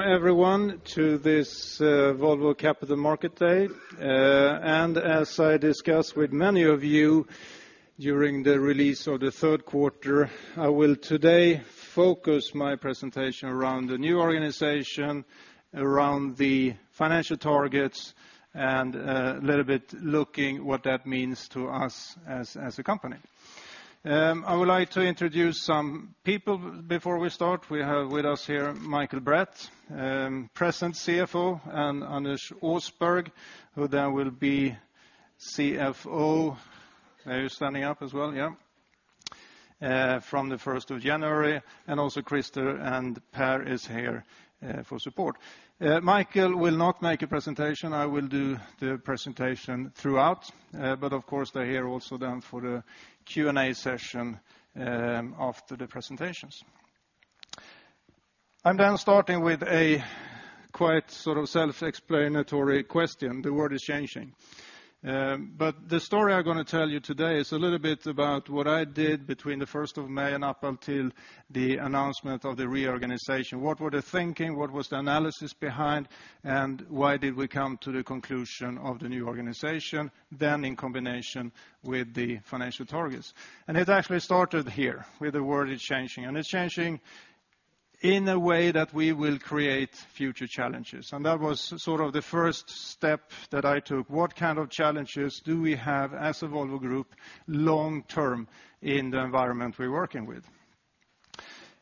Everyone, to this Volvo Capital Market Day. As I discussed with many of you during the release of the third quarter, I will today focus my presentation around the new organization, around the financial targets, and a little bit looking at what that means to us as a company. I would like to introduce some people before we start. We have with us here Mikael Bratt, present CFO, and Anders Osberg, who then will be CFO. They are standing up as well, yeah, from the 1st of January. Also, Christer and Pär is here for support. Mikael will not make a presentation. I will do the presentation throughout. Of course, they're here also then for the Q&A session after the presentations. I'm then starting with a quite sort of self-explanatory question. The world is changing. The story I'm going to tell you today is a little bit about what I did between the 1st of May and up until the announcement of the reorganization. What were the thinking? What was the analysis behind? Why did we come to the conclusion of the new organization then in combination with the financial targets? It actually started here with the world is changing. It's changing in a way that we will create future challenges. That was sort of the first step that I took. What kind of challenges do we have as a Volvo Group long-term in the environment we're working with?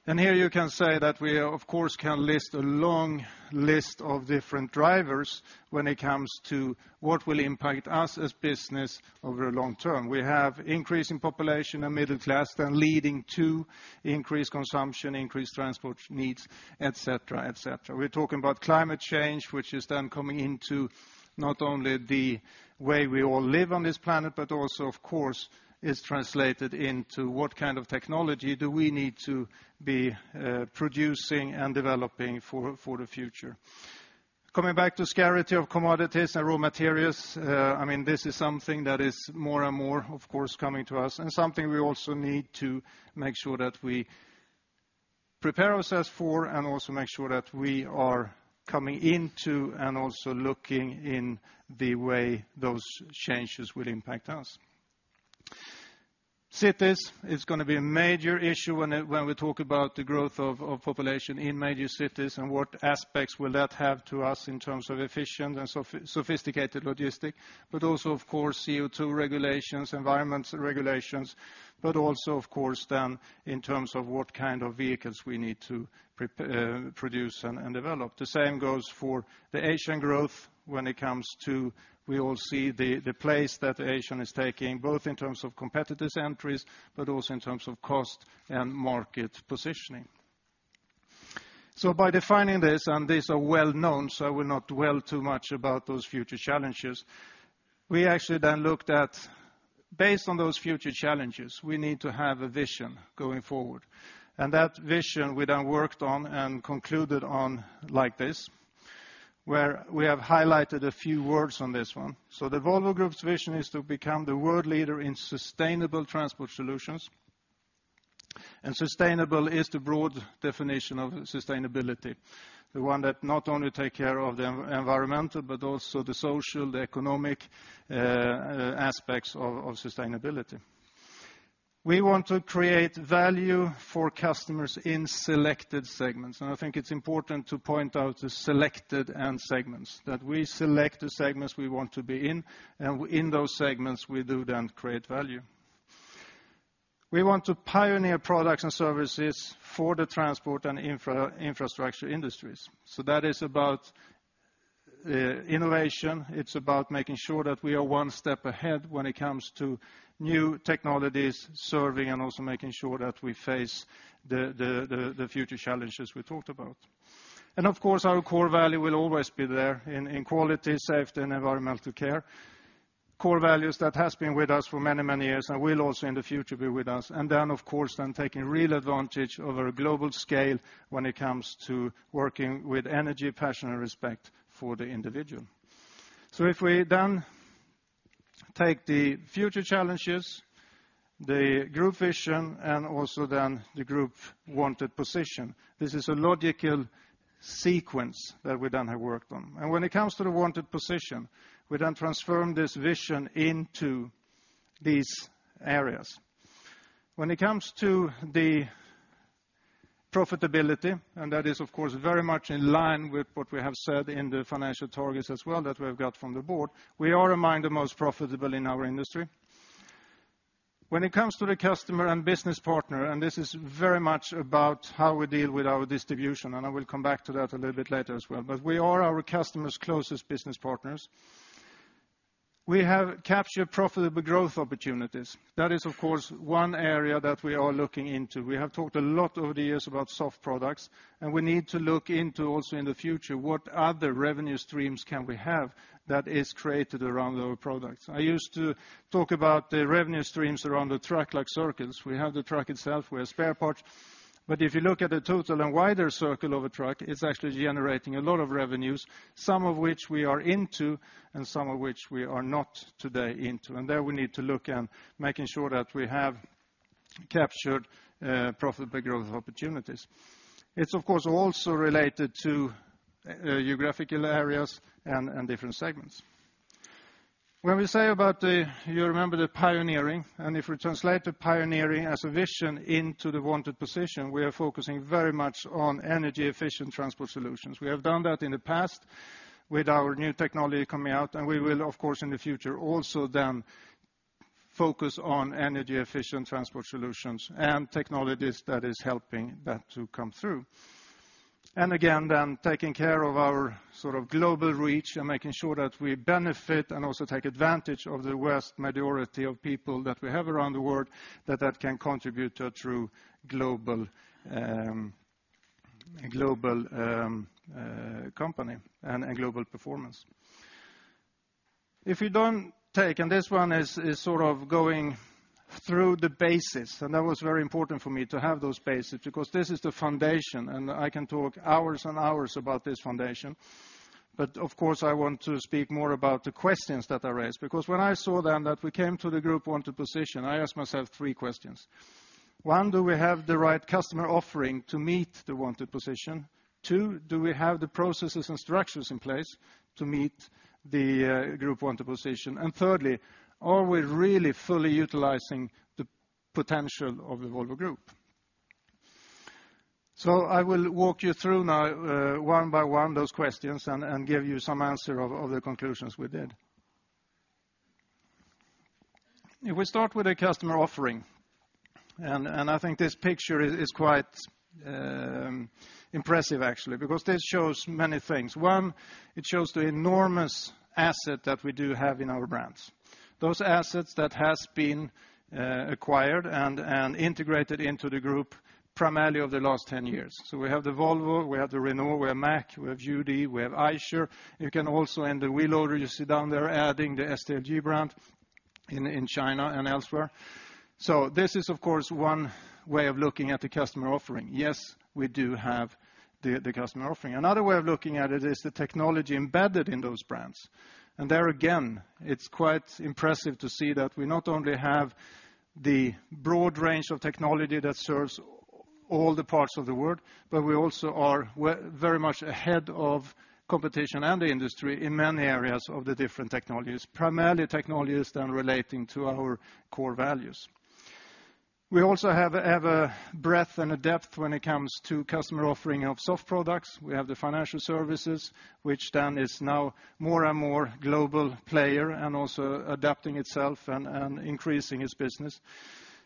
Here you can say that we, of course, can list a long list of different drivers when it comes to what will impact us as a business over the long-term. We have increasing population and middle class then leading to increased consumption, increased transport needs, et cetera, et cetera. We're talking about climate change, which is then coming into not only the way we all live on this planet, but also, of course, is translated into what kind of technology do we need to be producing and developing for the future. Coming back to the scared of commodities and raw materials, I mean, this is something that is more and more, of course, coming to us. Something we also need to make sure that we prepare ourselves for and also make sure that we are coming into and also looking in the way those changes will impact us. Cities, it's going to be a major issue when we talk about the growth of population in major cities and what aspects will that have to us in terms of efficient and sophisticated logistics. Also, of course, CO2 regulations, environment regulations. Of course, then in terms of what kind of vehicles we need to produce and develop. The same goes for the Asian growth when it comes to we all see the place that Asia is taking both in terms of competitive entries, but also in terms of cost and market positioning. By defining this, and these are well-known, I will not dwell too much about those future challenges. We actually then looked at, based on those future challenges, we need to have a vision going forward. That vision we then worked on and concluded on like this, where we have highlighted a few words on this one. The Volvo Group's vision is to become the world leader in sustainable transport solutions. Sustainable is the broad definition of sustainability, the one that not only takes care of the environmental, but also the social, the economic aspects of sustainability. We want to create value for customers in selected segments. I think it's important to point out the selected end segments, that we select the segments we want to be in. In those segments, we do then create value. We want to pioneer products and services for the transport and infrastructure industries. That is about innovation. It's about making sure that we are one step ahead when it comes to new technologies, serving, and also making sure that we face the future challenges we talked about. Our core value will always be there in quality, safety, and environmental care. Core values that have been with us for many, many years and will also in the future be with us. Then taking real advantage of our global scale when it comes to working with energy, passion, and respect for the individual. If we then take the future challenges, the group vision, and also then the group wanted position, this is a logical sequence that we then have worked on. When it comes to the wanted position, we then transform this vision into these areas. When it comes to the profitability, and that is, of course, very much in line with what we have said in the financial targets as well that we have got from the board, we are among the most profitable in our industry. When it comes to the customer and business partner, and this is very much about how we deal with our distribution, I will come back to that a little bit later as well, but we are our customers' closest business partners. We have captured profitable growth opportunities. That is, of course, one area that we are looking into. We have talked a lot over the years about soft products. We need to look into also in the future what other revenue streams can we have that are created around our products. I used to talk about the revenue streams around the truck, like circles. We have the truck itself. We have spare parts. If you look at the total and wider circle of a truck, it's actually generating a lot of revenues, some of which we are into and some of which we are not today into. We need to look at making sure that we have captured profitable growth opportunities. It's, of course, also related to geographical areas and different segments. When we say about the, you remember the pioneering, and if we translate the pioneering as a vision into the wanted position, we are focusing very much on energy-efficient transport solutions. We have done that in the past with our new technology coming out. We will, of course, in the future also then focus on energy-efficient transport solutions and technologies that are helping that to come through. Again, then taking care of our sort of global reach and making sure that we benefit and also take advantage of the vast majority of people that we have around the world, that that can contribute to a true global company and global performance. If you don't take, and this one is sort of going through the bases, and that was very important for me to have those bases because this is the foundation. I can talk hours and hours about this foundation. Of course, I want to speak more about the questions that are raised. Because when I saw then that we came to the group wanted position, I asked myself three questions. One, do we have the right customer offering to meet the wanted position? Two, do we have the processes and structures in place to meet the group wanted position? Thirdly, are we really fully utilizing the potential of the Volvo Group? I will walk you through now one by one those questions and give you some answer of the conclusions we did. If we start with a customer offering, and I think this picture is quite impressive, actually, because this shows many things. One, it shows the enormous asset that we do have in our brands. Those assets that have been acquired and integrated into the group primarily over the last 10 years. We have the Volvo, we have the Renault, we have Mack, we have UD, we have Eicher. You can also, in the wheel order you see down there, add the SDLG brand in China and elsewhere. This is, of course, one way of looking at the customer offering. Yes, we do have the customer offering. Another way of looking at it is the technology embedded in those brands. There again, it's quite impressive to see that we not only have the broad range of technology that serves all the parts of the world, but we also are very much ahead of competition and the industry in many areas of the different technologies, primarily technologies then relating to our core values. We also have a breadth and a depth when it comes to customer offering of soft products. We have the financial services, which then is now more and more a global player and also adapting itself and increasing its business.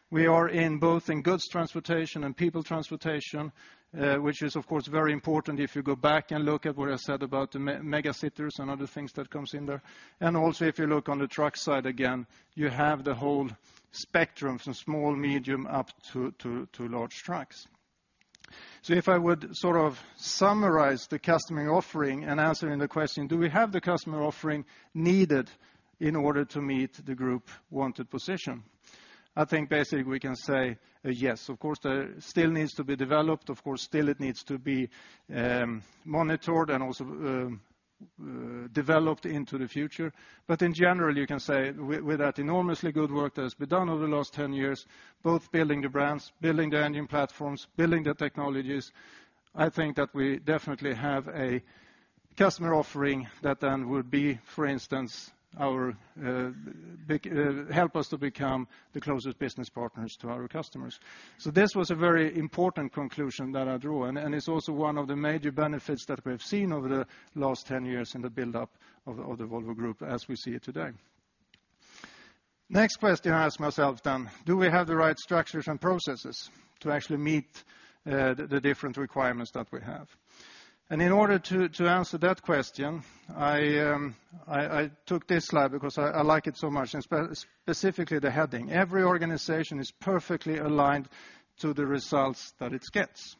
We are in both goods transportation and people transportation, which is, of course, very important if you go back and look at what I said about the megacities and other things that come in there. Also, if you look on the truck side again, you have the whole spectrum from small, medium, up to large trucks. If I would sort of summarize the customer offering and answer the question, do we have the customer offering needed in order to meet the group wanted position? I think basically we can say yes. Of course, there still needs to be development. Of course, still it needs to be monitored and also developed into the future. In general, you can say with that enormously good work that has been done over the last 10 years, both building the brands, building the engine platforms, building the technologies, I think that we definitely have a customer offering that then would be, for instance, help us to become the closest business partners to our customers. This was a very important conclusion that I draw. It's also one of the major benefits that we have seen over the last 10 years in the build-up of the Volvo Group as we see it today. Next question I ask myself then, do we have the right structures and processes to actually meet the different requirements that we have? In order to answer that question, I took this slide because I like it so much, and specifically the heading. Every organization is perfectly aligned to the results that it gets.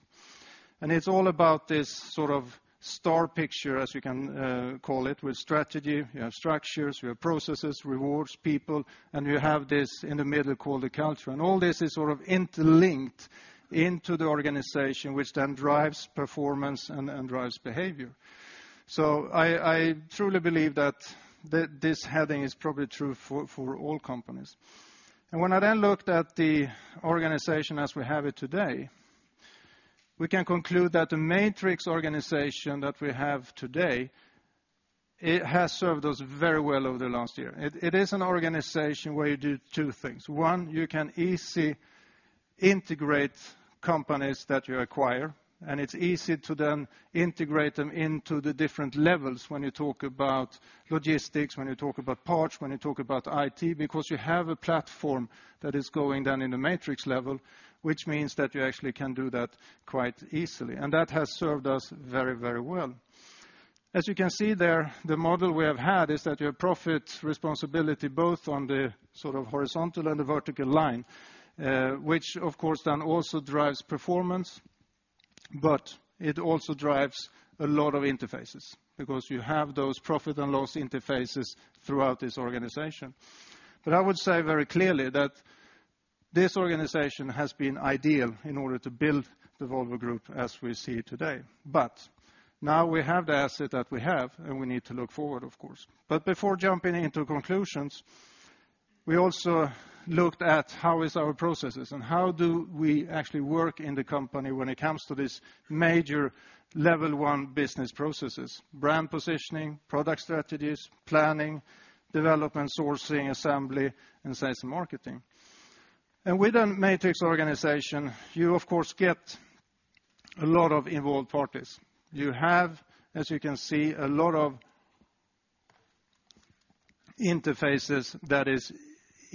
It's all about this sort of star picture, as you can call it, with strategy. You have structures. You have processes, rewards, people. You have this in the middle called the culture. All this is sort of interlinked into the organization, which then drives performance and drives behavior. I truly believe that this heading is probably true for all companies. When I then looked at the organization as we have it today, we can conclude that the matrix organization that we have today has served us very well over the last year. It is an organization where you do two things. One, you can easily integrate companies that you acquire. It's easy to then integrate them into the different levels when you talk about logistics, when you talk about parts, when you talk about IT, because you have a platform that is going in the matrix level, which means that you actually can do that quite easily. That has served us very, very well. As you can see there, the model we have had is that your profit responsibility is both on the sort of horizontal and the vertical line, which, of course, then also drives performance. It also drives a lot of interfaces because you have those profit and loss interfaces throughout this organization. I would say very clearly that this organization has been ideal in order to build the Volvo Group as we see it today. Now we have the asset that we have, and we need to look forward, of course. Before jumping into conclusions, we also looked at how are our processes and how do we actually work in the company when it comes to these major level one business processes: brand positioning, product strategies, planning, development, sourcing, assembly, and sales and marketing. Within a matrix organization, you, of course, get a lot of involved parties. You have, as you can see, a lot of interfaces that are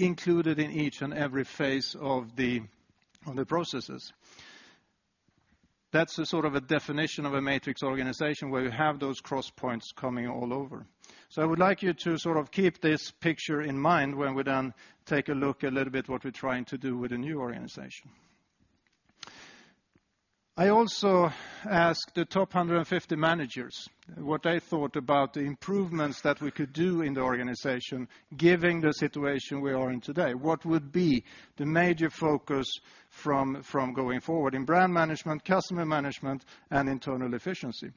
included in each and every phase of the processes. That's a sort of a definition of a matrix organization where you have those cross points coming all over. I would like you to sort of keep this picture in mind when we then take a look at a little bit what we're trying to do with the new organization. I also asked the top 150 managers what they thought about the improvements that we could do in the organization, given the situation we are in today. What would be the major focus from going forward in brand management, customer management, and internal efficiency?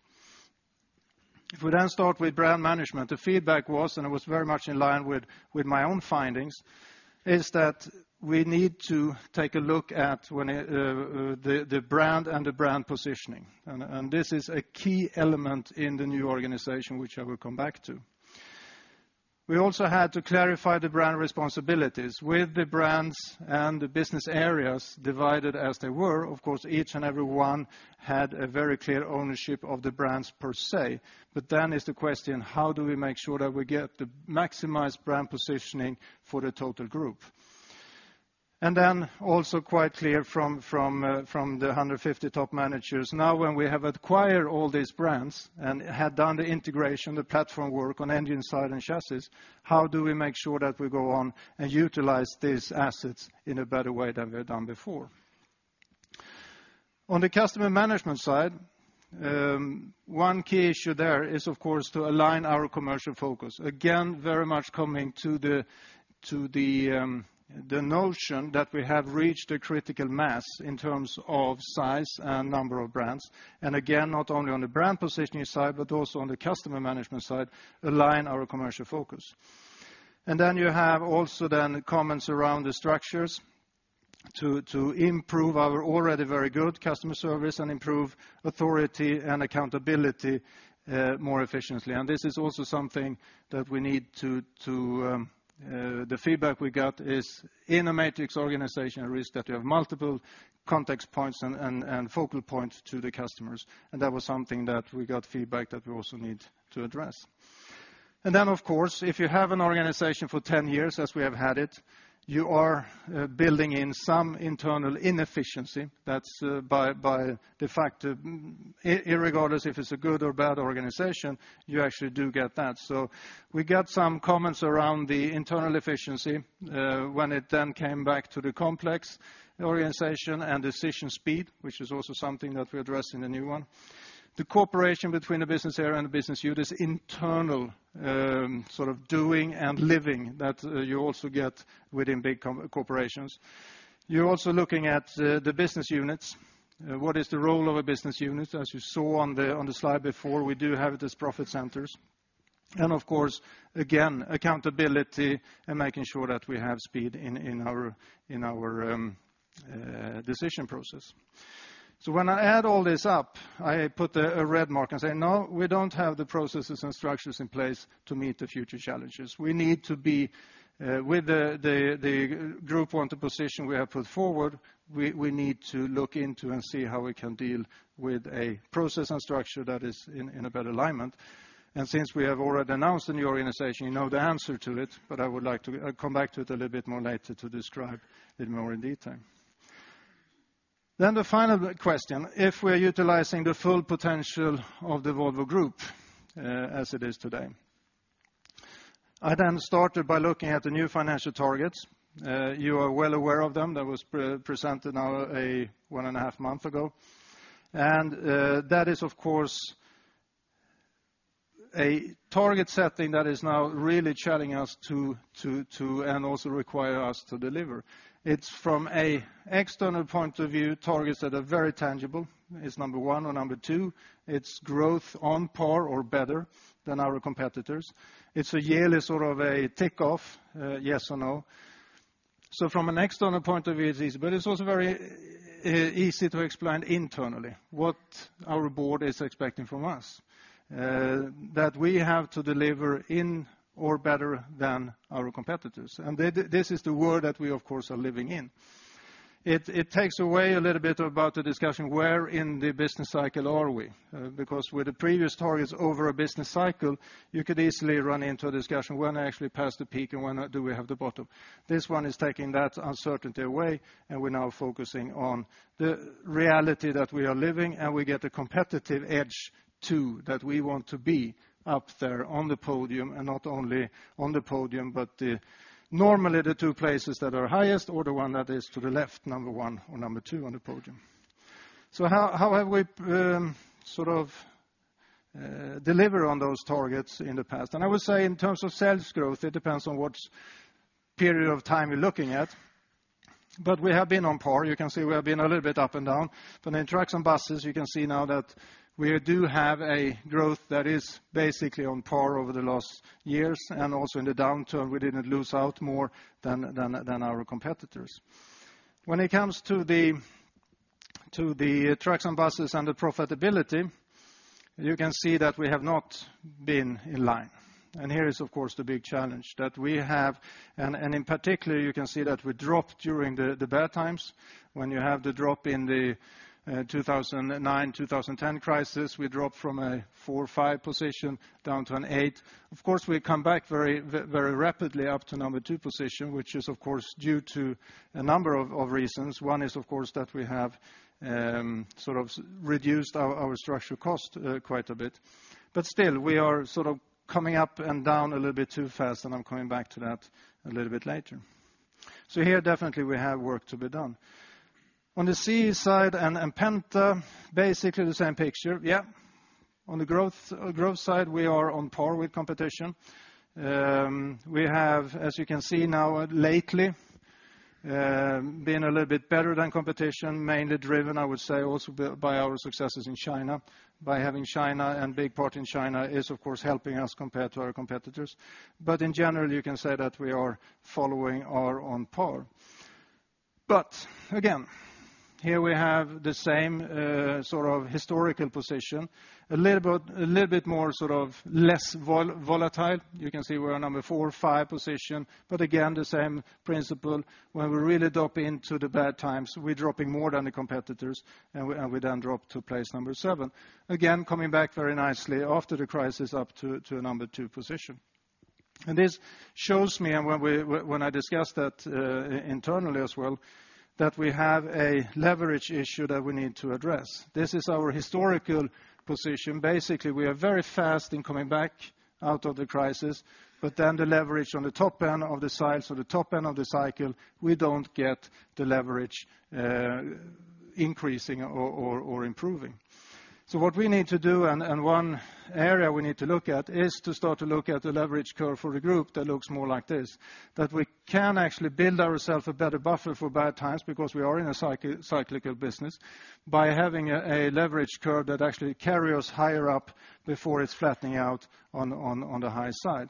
If we then start with brand management, the feedback was, and it was very much in line with my own findings, is that we need to take a look at the brand and the brand positioning. This is a key element in the new organization, which I will come back to. We also had to clarify the brand responsibilities with the brands and the business areas divided as they were. Of course, each and every one had a very clear ownership of the brands per se. The question is, how do we make sure that we get the maximized brand positioning for the total group? It was also quite clear from the 150 top managers, now when we have acquired all these brands and had done the integration, the platform work on engine side and chassis, how do we make sure that we go on and utilize these assets in a better way than we have done before? On the customer management side, one key issue there is to align our commercial focus. This comes very much to the notion that we have reached a critical mass in terms of size and number of brands. Not only on the brand positioning side, but also on the customer management side, we need to align our commercial focus. There were also comments around the structures to improve our already very good customer service and improve authority and accountability more efficiently. This is also something that we need to, the feedback we got is in a matrix organization, a risk that you have multiple contact points and focal points to the customers. That was something that we got feedback that we also need to address. If you have an organization for 10 years, as we have had it, you are building in some internal inefficiency. That's by the fact that regardless if it's a good or bad organization, you actually do get that. We got some comments around the internal efficiency when it then came back to the complex organization and decision speed, which is also something that we addressed in the new one. The cooperation between the business area and the business units, internal sort of doing and living that you also get within big corporations. You're also looking at the business units. What is the role of a business unit? As you saw on the slide before, we do have it as profit centers. Again, accountability and making sure that we have speed in our decision process. When I add all this up, I put a red mark and say, no, we don't have the processes and structures in place to meet the future challenges. We need to be with the group wanted position we have put forward. We need to look into and see how we can deal with a process and structure that is in better alignment. Since we have already announced the new organization, you know the answer to it, but I would like to come back to it a little bit more later to describe it more in detail. The final question, if we are utilizing the full potential of the Volvo Group as it is today. I then started by looking at the new financial targets. You are well aware of them. That was presented now one and a half months ago. That is, of course, a target setting that is now really challenging us to and also requires us to deliver. It's from an external point of view, targets that are very tangible. It's number one. Or number two, it's growth on par or better than our competitors. It's a yearly sort of a tick-off, yes or no. From an external point of view, it's easy. It's also very easy to explain internally what our board is expecting from us, that we have to deliver in or better than our competitors. This is the world that we, of course, are living in. It takes away a little bit about the discussion where in the business cycle are we. With the previous targets over a business cycle, you could easily run into a discussion when I actually pass the peak and when do we have the bottom. This one is taking that uncertainty away, and we're now focusing on the reality that we are living, and we get a competitive edge too, that we want to be up there on the podium, and not only on the podium, but normally the two places that are highest or the one that is to the left, number one or number two on the podium. How have we sort of delivered on those targets in the past? I would say in terms of sales growth, it depends on what period of time you're looking at. We have been on par. You can see we have been a little bit up and down. In trucks and buses, you can see now that we do have a growth that is basically on par over the last years. Also in the downturn, we didn't lose out more than our competitors. When it comes to the trucks and buses and the profitability, you can see that we have not been in line. Here is, of course, the big challenge that we have. In particular, you can see that we dropped during the bad times. When you have the drop in the 2009-2010 crisis, we dropped from a four or five position down to an eight. Of course, we come back very, very rapidly up to number two position, which is, of course, due to a number of reasons. One is, of course, that we have sort of reduced our structure cost quite a bit. Still, we are sort of coming up and down a little bit too fast, and I'm coming back to that a little bit later. Here, definitely, we have work to be done. On the C SIDE and Penta, basically the same picture, yeah. On the growth side, we are on par with competition. We have, as you can see now, lately been a little bit better than competition, mainly driven, I would say, also by our successes in China. By having China and a big part in China is, of course, helping us compared to our competitors. In general, you can say that we are following our on par. Again, here we have the same sort of historical position, a little bit more sort of less volatile. You can see we're a number four or five position. Again, the same principle. When we really drop into the bad times, we're dropping more than the competitors, and we then drop to place number seven. Again, coming back very nicely after the crisis up to a number two position. This shows me, and when I discussed that internally as well, that we have a leverage issue that we need to address. This is our historical position. Basically, we are very fast in coming back out of the crisis. Then the leverage on the top end of the side, so the top end of the cycle, we don't get the leverage increasing or improving. What we need to do, and one area we need to look at, is to start to look at the leverage curve for the group that looks more like this, that we can actually build ourselves a better buffer for bad times because we are in a cyclical business by having a leverage curve that actually carries us higher up before it's flattening out on the high side.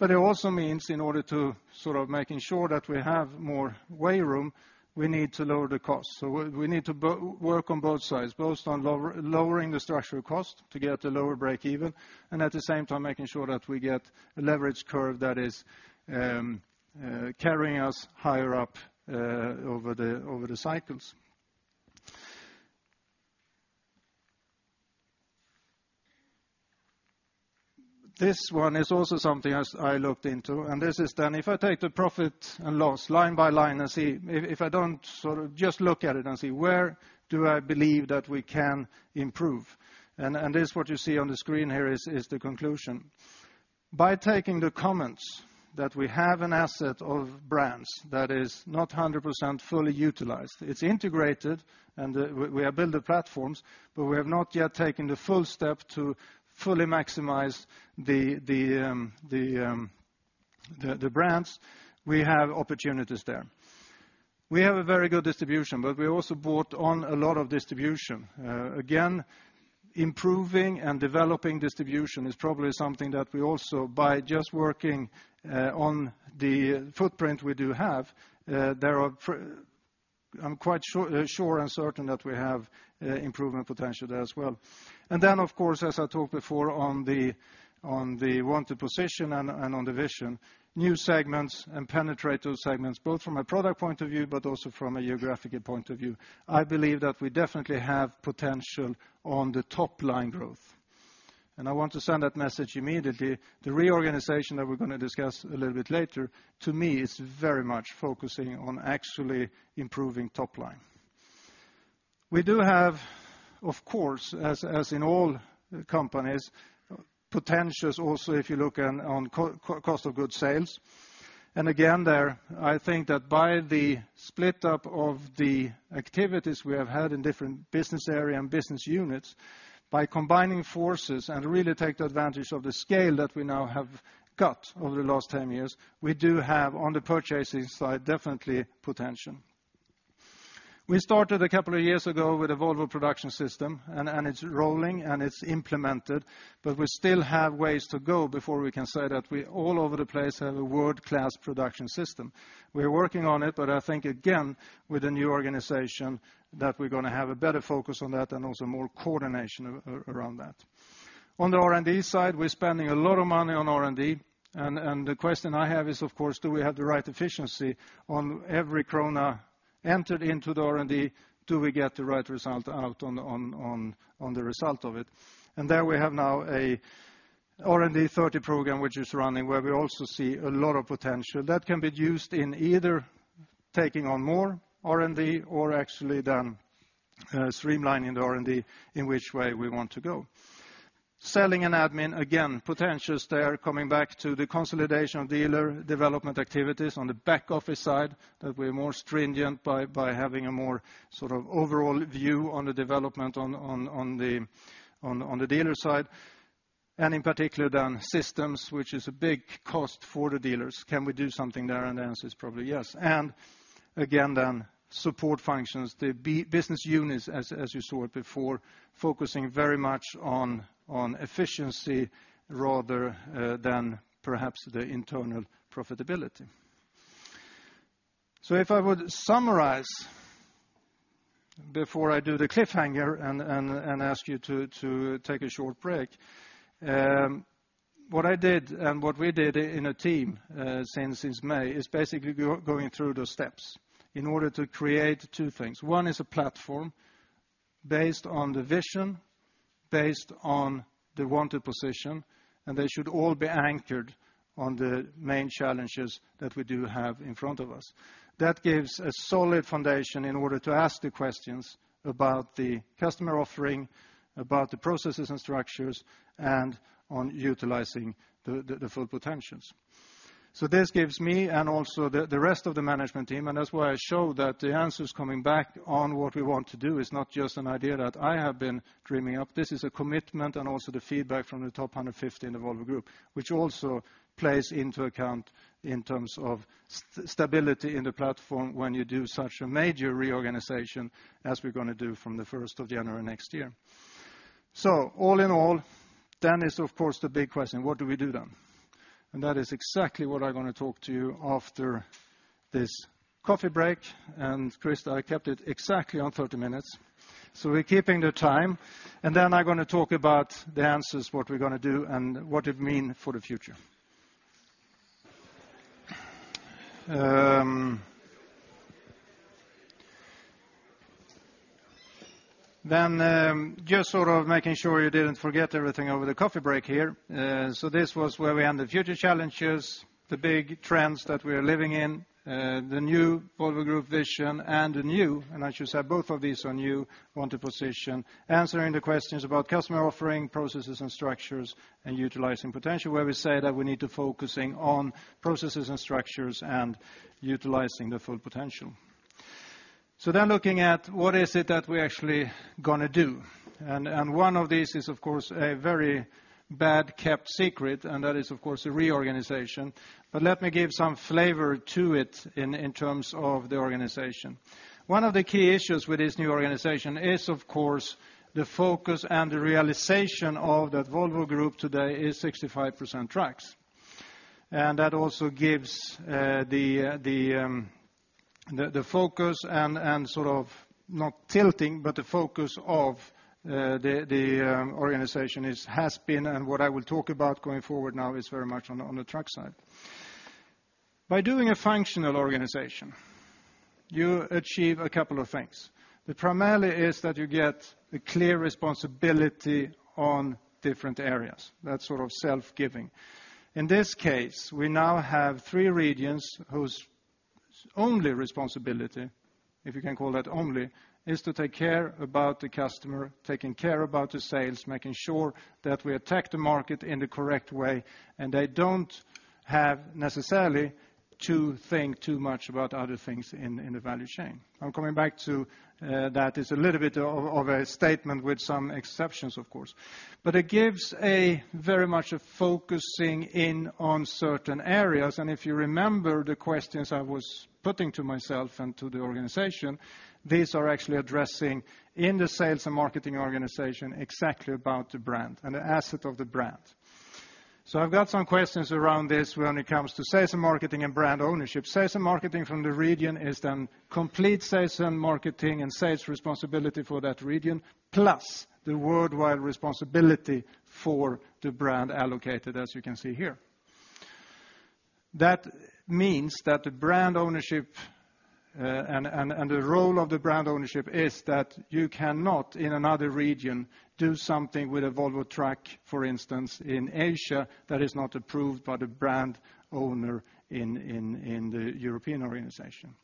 It also means, in order to sort of make sure that we have more way room, we need to lower the cost. We need to work on both sides, both on lowering the structural cost to get a lower break-even, and at the same time, making sure that we get a leverage curve that is carrying us higher up over the cycles. This one is also something I looked into. This is then, if I take the profit and loss line by line and see, if I don't sort of just look at it and see, where do I believe that we can improve? This is what you see on the screen here is the conclusion. By taking the comments that we have an asset of brands that is not 100% fully utilized. It's integrated, and we have built the platforms, but we have not yet taken the full step to fully maximize the brands. We have opportunities there. We have a very good distribution, but we also bought on a lot of distribution. Again, improving and developing distribution is probably something that we also, by just working on the footprint we do have, I'm quite sure and certain that we have improvement potential there as well. Of course, as I talked before on the wanted position and on the vision, new segments and penetrative segments, both from a product point of view, but also from a geographical point of view, I believe that we definitely have potential on the top line growth. I want to send that message immediately. The reorganization that we're going to discuss a little bit later, to me, is very much focusing on actually improving top line. We do have, of course, as in all companies, potentials also if you look on cost of good sales. There, I think that by the split up of the activities we have had in different business areas and business units, by combining forces and really taking advantage of the scale that we now have got over the last 10 years, we do have on the purchasing side definitely potential. We started a couple of years ago with a Volvo production system, and it's rolling, and it's implemented. We still have ways to go before we can say that we all over the place have a world-class production system. We're working on it, but I think, again, with a new organization, that we're going to have a better focus on that and also more coordination around that. On the R&D side, we're spending a lot of money on R&D. The question I have is, of course, do we have the right efficiency on every krona entered into the R&D? Do we get the right result out on the result of it? There we have now an R&D 30 program, which is running, where we also see a lot of potential that can be used in either taking on more R&D or actually then streamlining the R&D in which way we want to go. Selling and admin, again, potentials there, coming back to the consolidation of dealer development activities on the back office side, that we're more stringent by having a more sort of overall view on the development on the dealer side. In particular, then systems, which is a big cost for the dealers. Can we do something there? The answer is probably yes. Again, support functions, the business units, as you saw it before, focusing very much on efficiency rather than perhaps the internal profitability. If I would summarize before I do the cliffhanger and ask you to take a short break, what I did and what we did in a team since May is basically going through the steps in order to create two things. One is a platform based on the vision, based on the wanted position, and they should all be anchored on the main challenges that we do have in front of us. That gives a solid foundation in order to ask the questions about the customer offering, about the processes and structures, and on utilizing the full potentials. This gives me and also the rest of the management team, and that's why I show that the answers coming back on what we want to do is not just an idea that I have been dreaming up. This is a commitment and also the feedback from the top 150 in the Volvo Group, which also plays into account in terms of stability in the platform when you do such a major reorganization as we're going to do from the 1st of January next year. All in all, the big question is, what do we do then? That is exactly what I'm going to talk to you after this coffee break. Chris, I kept it exactly on 30 minutes. We're keeping the time. I'm going to talk about the answers, what we're going to do, and what it means for the future. Just sort of making sure you didn't forget everything over the coffee break here. This was where we ended: future challenges, the big trends that we are living in, the new Volvo Group vision, and the new, and as you said, both of these are new wanted positions, answering the questions about customer offering, processes, and structures, and utilizing potential, where we say that we need to focus on processes and structures and utilizing the full potential. Looking at what is it that we're actually going to do, one of these is, of course, a very bad kept secret, and that is, of course, a reorganization. Let me give some flavor to it in terms of the organization. One of the key issues with this new organization is, of course, the focus and the realization of that Volvo Group today is 65% trucks. That also gives the focus and sort of not tilting, but the focus of the organization has been, and what I will talk about going forward now is very much on the truck side. By doing a functional organization, you achieve a couple of things. The primary is that you get a clear responsibility on different areas. That's sort of self-giving. In this case, we now have three regions whose only responsibility, if you can call that only, is to take care about the customer, taking care about the sales, making sure that we attack the market in the correct way, and they don't have necessarily to think too much about other things in the value chain. I am coming back to that. It is a little bit of a statement with some exceptions, of course. It gives very much a focusing in on certain areas. If you remember the questions I was putting to myself and to the organization, these are actually addressing in the sales and marketing organization exactly about the brand and the asset of the brand. I have got some questions around this when it comes to sales and marketing and brand ownership. Sales and marketing from the region is then complete sales and marketing and sales responsibility for that region, plus the worldwide responsibility for the brand allocated, as you can see here. That means that the brand ownership and the role of the brand ownership is that you cannot, in another region, do something with a Volvo truck, for instance, in Asia that is not approved by the brand owner in the European organization.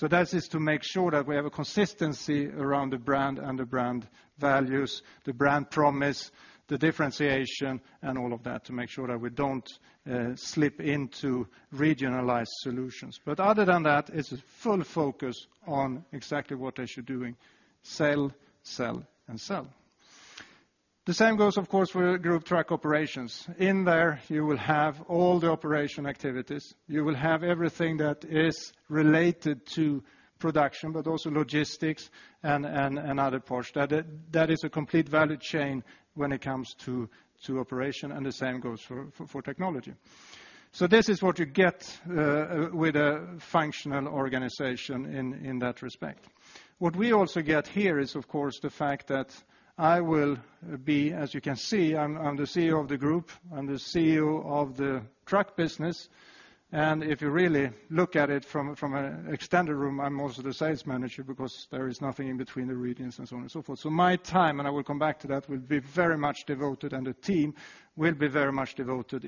That is to make sure that we have a consistency around the brand and the brand values, the brand promise, the differentiation, and all of that to make sure that we don't slip into regionalized solutions. Other than that, it's a full focus on exactly what they should be doing: sell, sell, and sell. The same goes, of course, for the Group Truck Operations. In there, you will have all the operation activities. You will have everything that is related to production, but also logistics and other parts. That is a complete value chain when it comes to operation, and the same goes for technology. This is what you get with a functional organization in that respect. What we also get here is, of course, the fact that I will be, as you can see, I'm the CEO of the Group. I'm the CEO of the truck business. If you really look at it from an extended room, I'm also the sales manager because there is nothing in between the regions and so on and so forth. My time, and I will come back to that, will be very much devoted, and the team will be very much devoted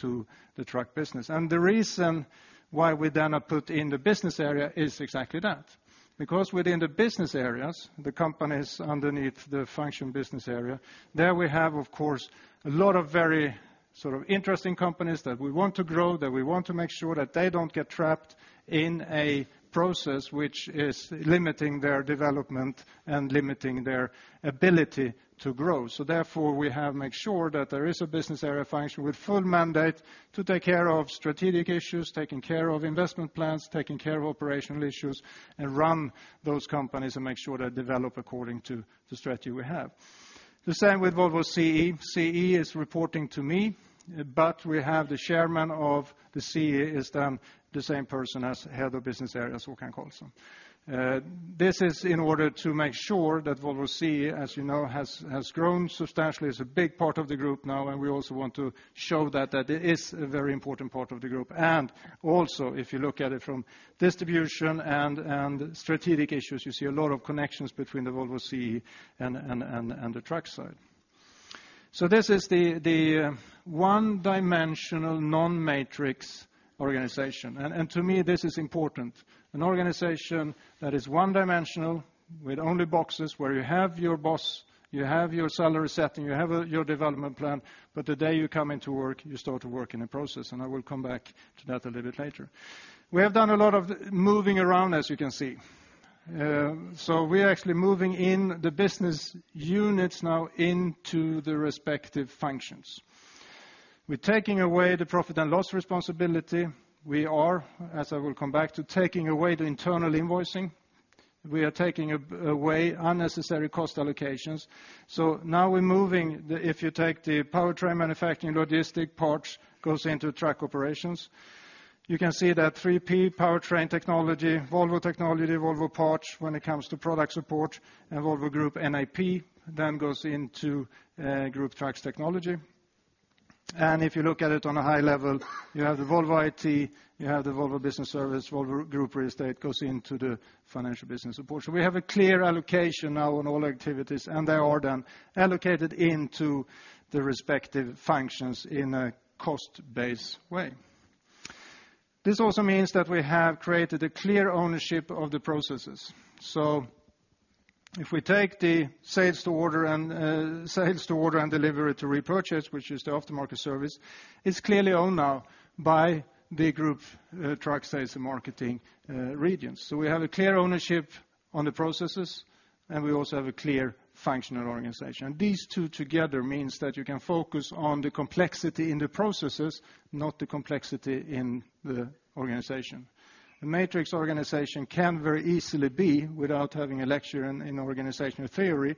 to the truck business. The reason why we then put in the business area is exactly that. Within the business areas, the companies underneath the function business area, there we have, of course, a lot of very sort of interesting companies that we want to grow, that we want to make sure that they don't get trapped in a process which is limiting their development and limiting their ability to grow. Therefore, we have made sure that there is a business area function with full mandate to take care of strategic issues, taking care of investment plans, taking care of operational issues, and run those companies and make sure they develop according to the strategy we have. The same with Volvo CE. CE is reporting to me, but we have the chairman of the CE is then the same person as Head of Business Areas, who can call some. This is in order to make sure that Volvo CE, as you know, has grown substantially. It's a big part of the group now, and we also want to show that it is a very important part of the group. Also, if you look at it from distribution and strategic issues, you see a lot of connections between the Volvo CE and the truck side. This is the one-dimensional non-matrix organization. To me, this is important. An organization that is one-dimensional with only boxes where you have your boss, you have your salary setting, you have your development plan, but the day you come into work, you start to work in a process. I will come back to that a little bit later. We have done a lot of moving around, as you can see. We're actually moving in the business units now into the respective functions. We're taking away the profit and loss responsibility. We are, as I will come back to, taking away the internal invoicing. We are taking away unnecessary cost allocations. Now we're moving the, if you take the powertrain manufacturing logistic parts, goes into truck operations. You can see that 3P powertrain technology, Volvo technology, Volvo parts when it comes to product support, and Volvo Group NAP then goes into group trucks technology. If you look at it on a high level, you have the Volvo IT, you have the Volvo Business Service, Volvo Group Real Estate goes into the financial business support. We have a clear allocation now on all activities, and they are then allocated into the respective functions in a cost-based way. This also means that we have created a clear ownership of the processes. If we take the sales to order and sales to order and delivery to repurchase, which is the aftermarket service, it's clearly owned now by the Group Truck Sales and Marketing regions. We have a clear ownership on the processes, and we also have a clear functional organization. These two together mean that you can focus on the complexity in the processes, not the complexity in the organization. A matrix organization can very easily be, without having a lecture in organizational theory,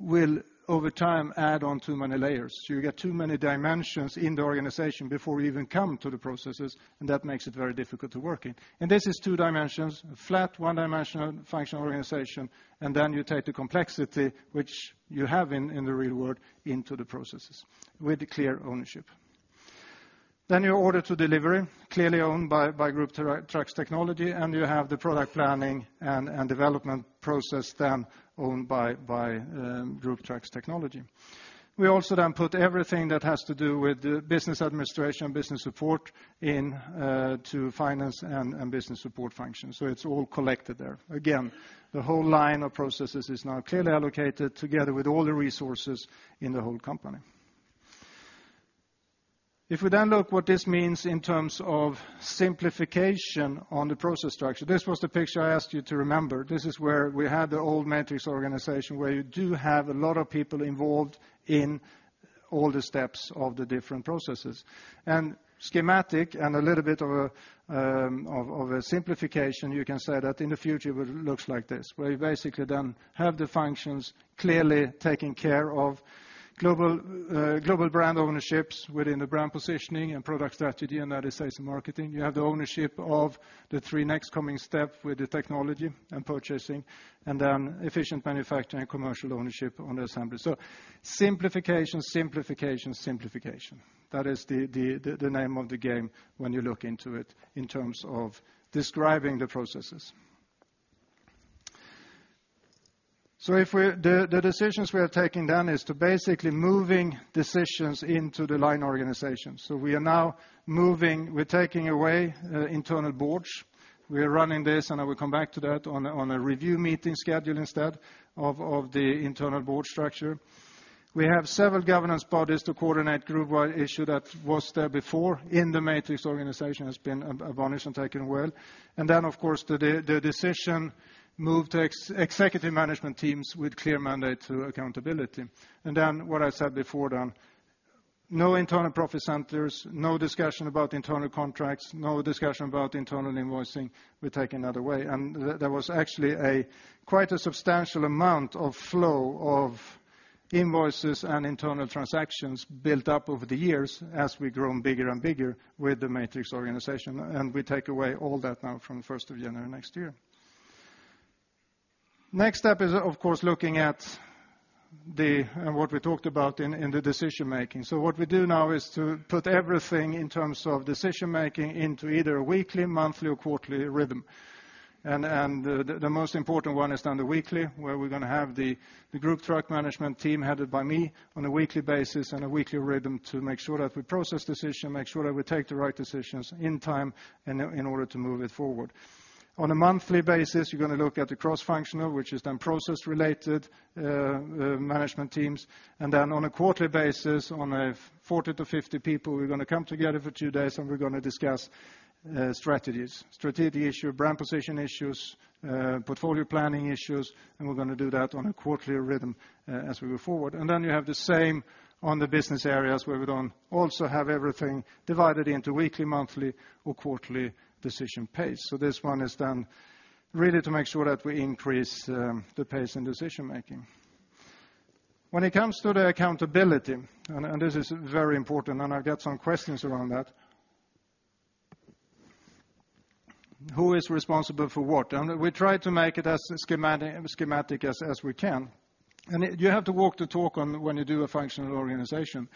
will over time add on too many layers. You get too many dimensions in the organization before we even come to the processes, and that makes it very difficult to work in. This is two dimensions: flat, one-dimensional functional organization, and then you take the complexity, which you have in the real world, into the processes with clear ownership. Your order to delivery is clearly owned by Group Trucks Technology, and you have the product planning and development process then owned by Group Trucks Technology. We also then put everything that has to do with the business administration and business support into Finance and Business Support functions, so it's all collected there. Again, the whole line of processes is now clearly allocated together with all the resources in the whole company. If we then look at what this means in terms of simplification on the process structure, this was the picture I asked you to remember. This is where we had the old matrix organization where you do have a lot of people involved in all the steps of the different processes. Schematic and a little bit of a simplification, you can say that in the future, it looks like this, where you basically then have the functions clearly taken care of. Global brand ownerships within the brand positioning and product strategy, and that is Sales and Marketing. You have the ownership of the three next coming steps with the Technology and Purchasing, and then efficient manufacturing and commercial ownership on the assembly. Simplification, simplification, simplification. That is the name of the game when you look into it in terms of describing the processes. The decisions we are taking then is to basically move decisions into the line organization. We are now moving, we're taking away internal boards. We are running this, and I will come back to that on a review meeting schedule instead of the internal board structure. We have several governance bodies to coordinate group-wide issues that were there before in the matrix organization, have been abolished and taken away. Of course, the decision moves to Executive Management Teams with clear mandates through accountability. What I said before, no internal profit centers, no discussion about internal contracts, no discussion about internal invoicing, we're taking that away. There was actually quite a substantial amount of flow of invoices and internal transactions built up over the years as we've grown bigger and bigger with the matrix organization. We take away all that now from 1st of January next year. Next step is, of course, looking at what we talked about in the decision-making. What we do now is to put everything in terms of decision-making into either a weekly, monthly, or quarterly rhythm. The most important one is on the weekly, where we're going to have the Group Truck Management Team headed by me on a weekly basis and a weekly rhythm to make sure that we process decisions, make sure that we take the right decisions in time and in order to move it forward. On a monthly basis, you're going to look at the cross-functional, which is then process-related management teams. On a quarterly basis, with 40-50 people, we're going to come together for two days, and we're going to discuss strategies, strategic issues, brand position issues, portfolio planning issues. We're going to do that on a quarterly rhythm as we go forward. You have the same on the business areas where we don't also have everything divided into weekly, monthly, or quarterly decision pace. This one is then really to make sure that we increase the pace in decision-making. When it comes to the accountability, and this is very important, and I've got some questions around that, who is responsible for what? We try to make it as schematic as we can. You have to walk the talk when you do a functional organization.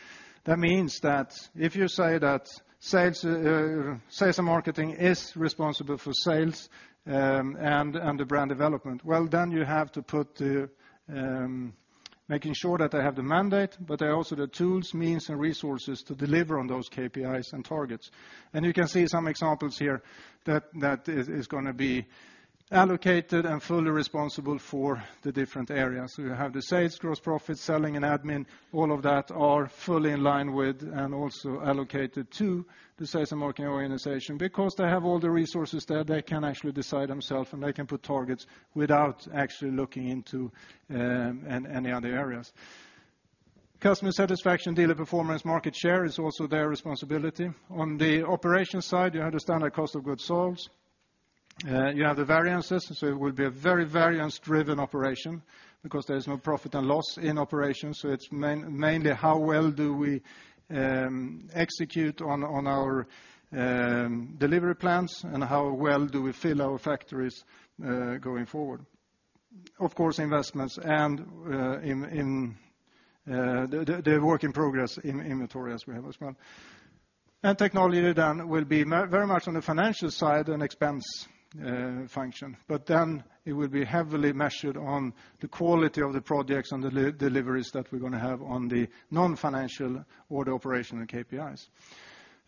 That means that if you say that Sales and Marketing is responsible for sales and the brand development, you have to make sure that they have the mandate, but they also have the tools, means, and resources to deliver on those KPIs and targets. You can see some examples here that it is going to be allocated and fully responsible for the different areas. You have the sales, gross profits, selling, and admin. All of that are fully in line with and also allocated to the Sales and Marketing organization because they have all the resources there. They can actually decide themselves, and they can put targets without actually looking into any other areas. Customer satisfaction, dealer performance, market share is also their responsibility. On the Operations side, you have the standard cost of goods sold. You have the variances. It will be a very variance-driven operation because there is no profit and loss in Operations. It's mainly how well do we execute on our delivery plans and how well do we fill our factories going forward. Of course, investments and the work in progress in inventory as we have as well. Technology then will be very much on the financial side and expense function. It will be heavily measured on the quality of the projects and the deliveries that we're going to have on the non-financial order operation and KPIs.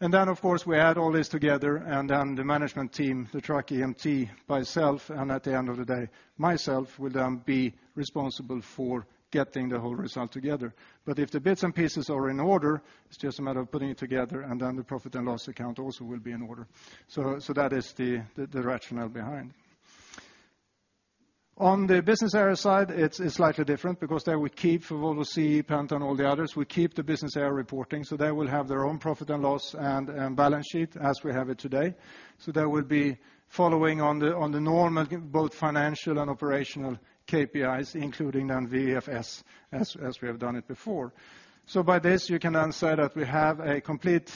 Of course, we add all this together, and then the management team, the truck EMT by itself, and at the end of the day, myself will then be responsible for getting the whole result together. If the bits and pieces are in order, it's just a matter of putting it together, and then the profit and loss account also will be in order. That is the rationale behind. On the business area side, it's slightly different because there we keep for Volvo CE, Penta, and all the others, we keep the business area reporting. They will have their own profit and loss and balance sheet as we have it today. That will be following on the normal, both financial and operational KPIs, including then Volvo Financial Services as we have done it before. By this, you can then say that we have a complete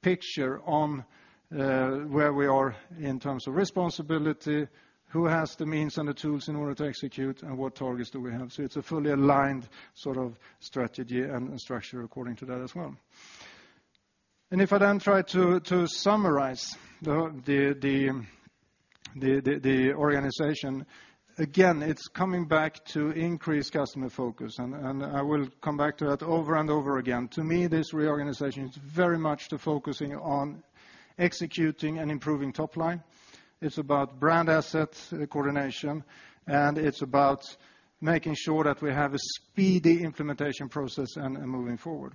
picture on where we are in terms of responsibility, who has the means and the tools in order to execute, and what targets do we have. It's a fully aligned sort of strategy and structure according to that as well. If I then try to summarize the organization, again, it's coming back to increased customer focus. I will come back to that over and over again. To me, this reorganization is very much focusing on executing and improving top line. It's about brand assets, the coordination, and it's about making sure that we have a speedy implementation process and moving forward.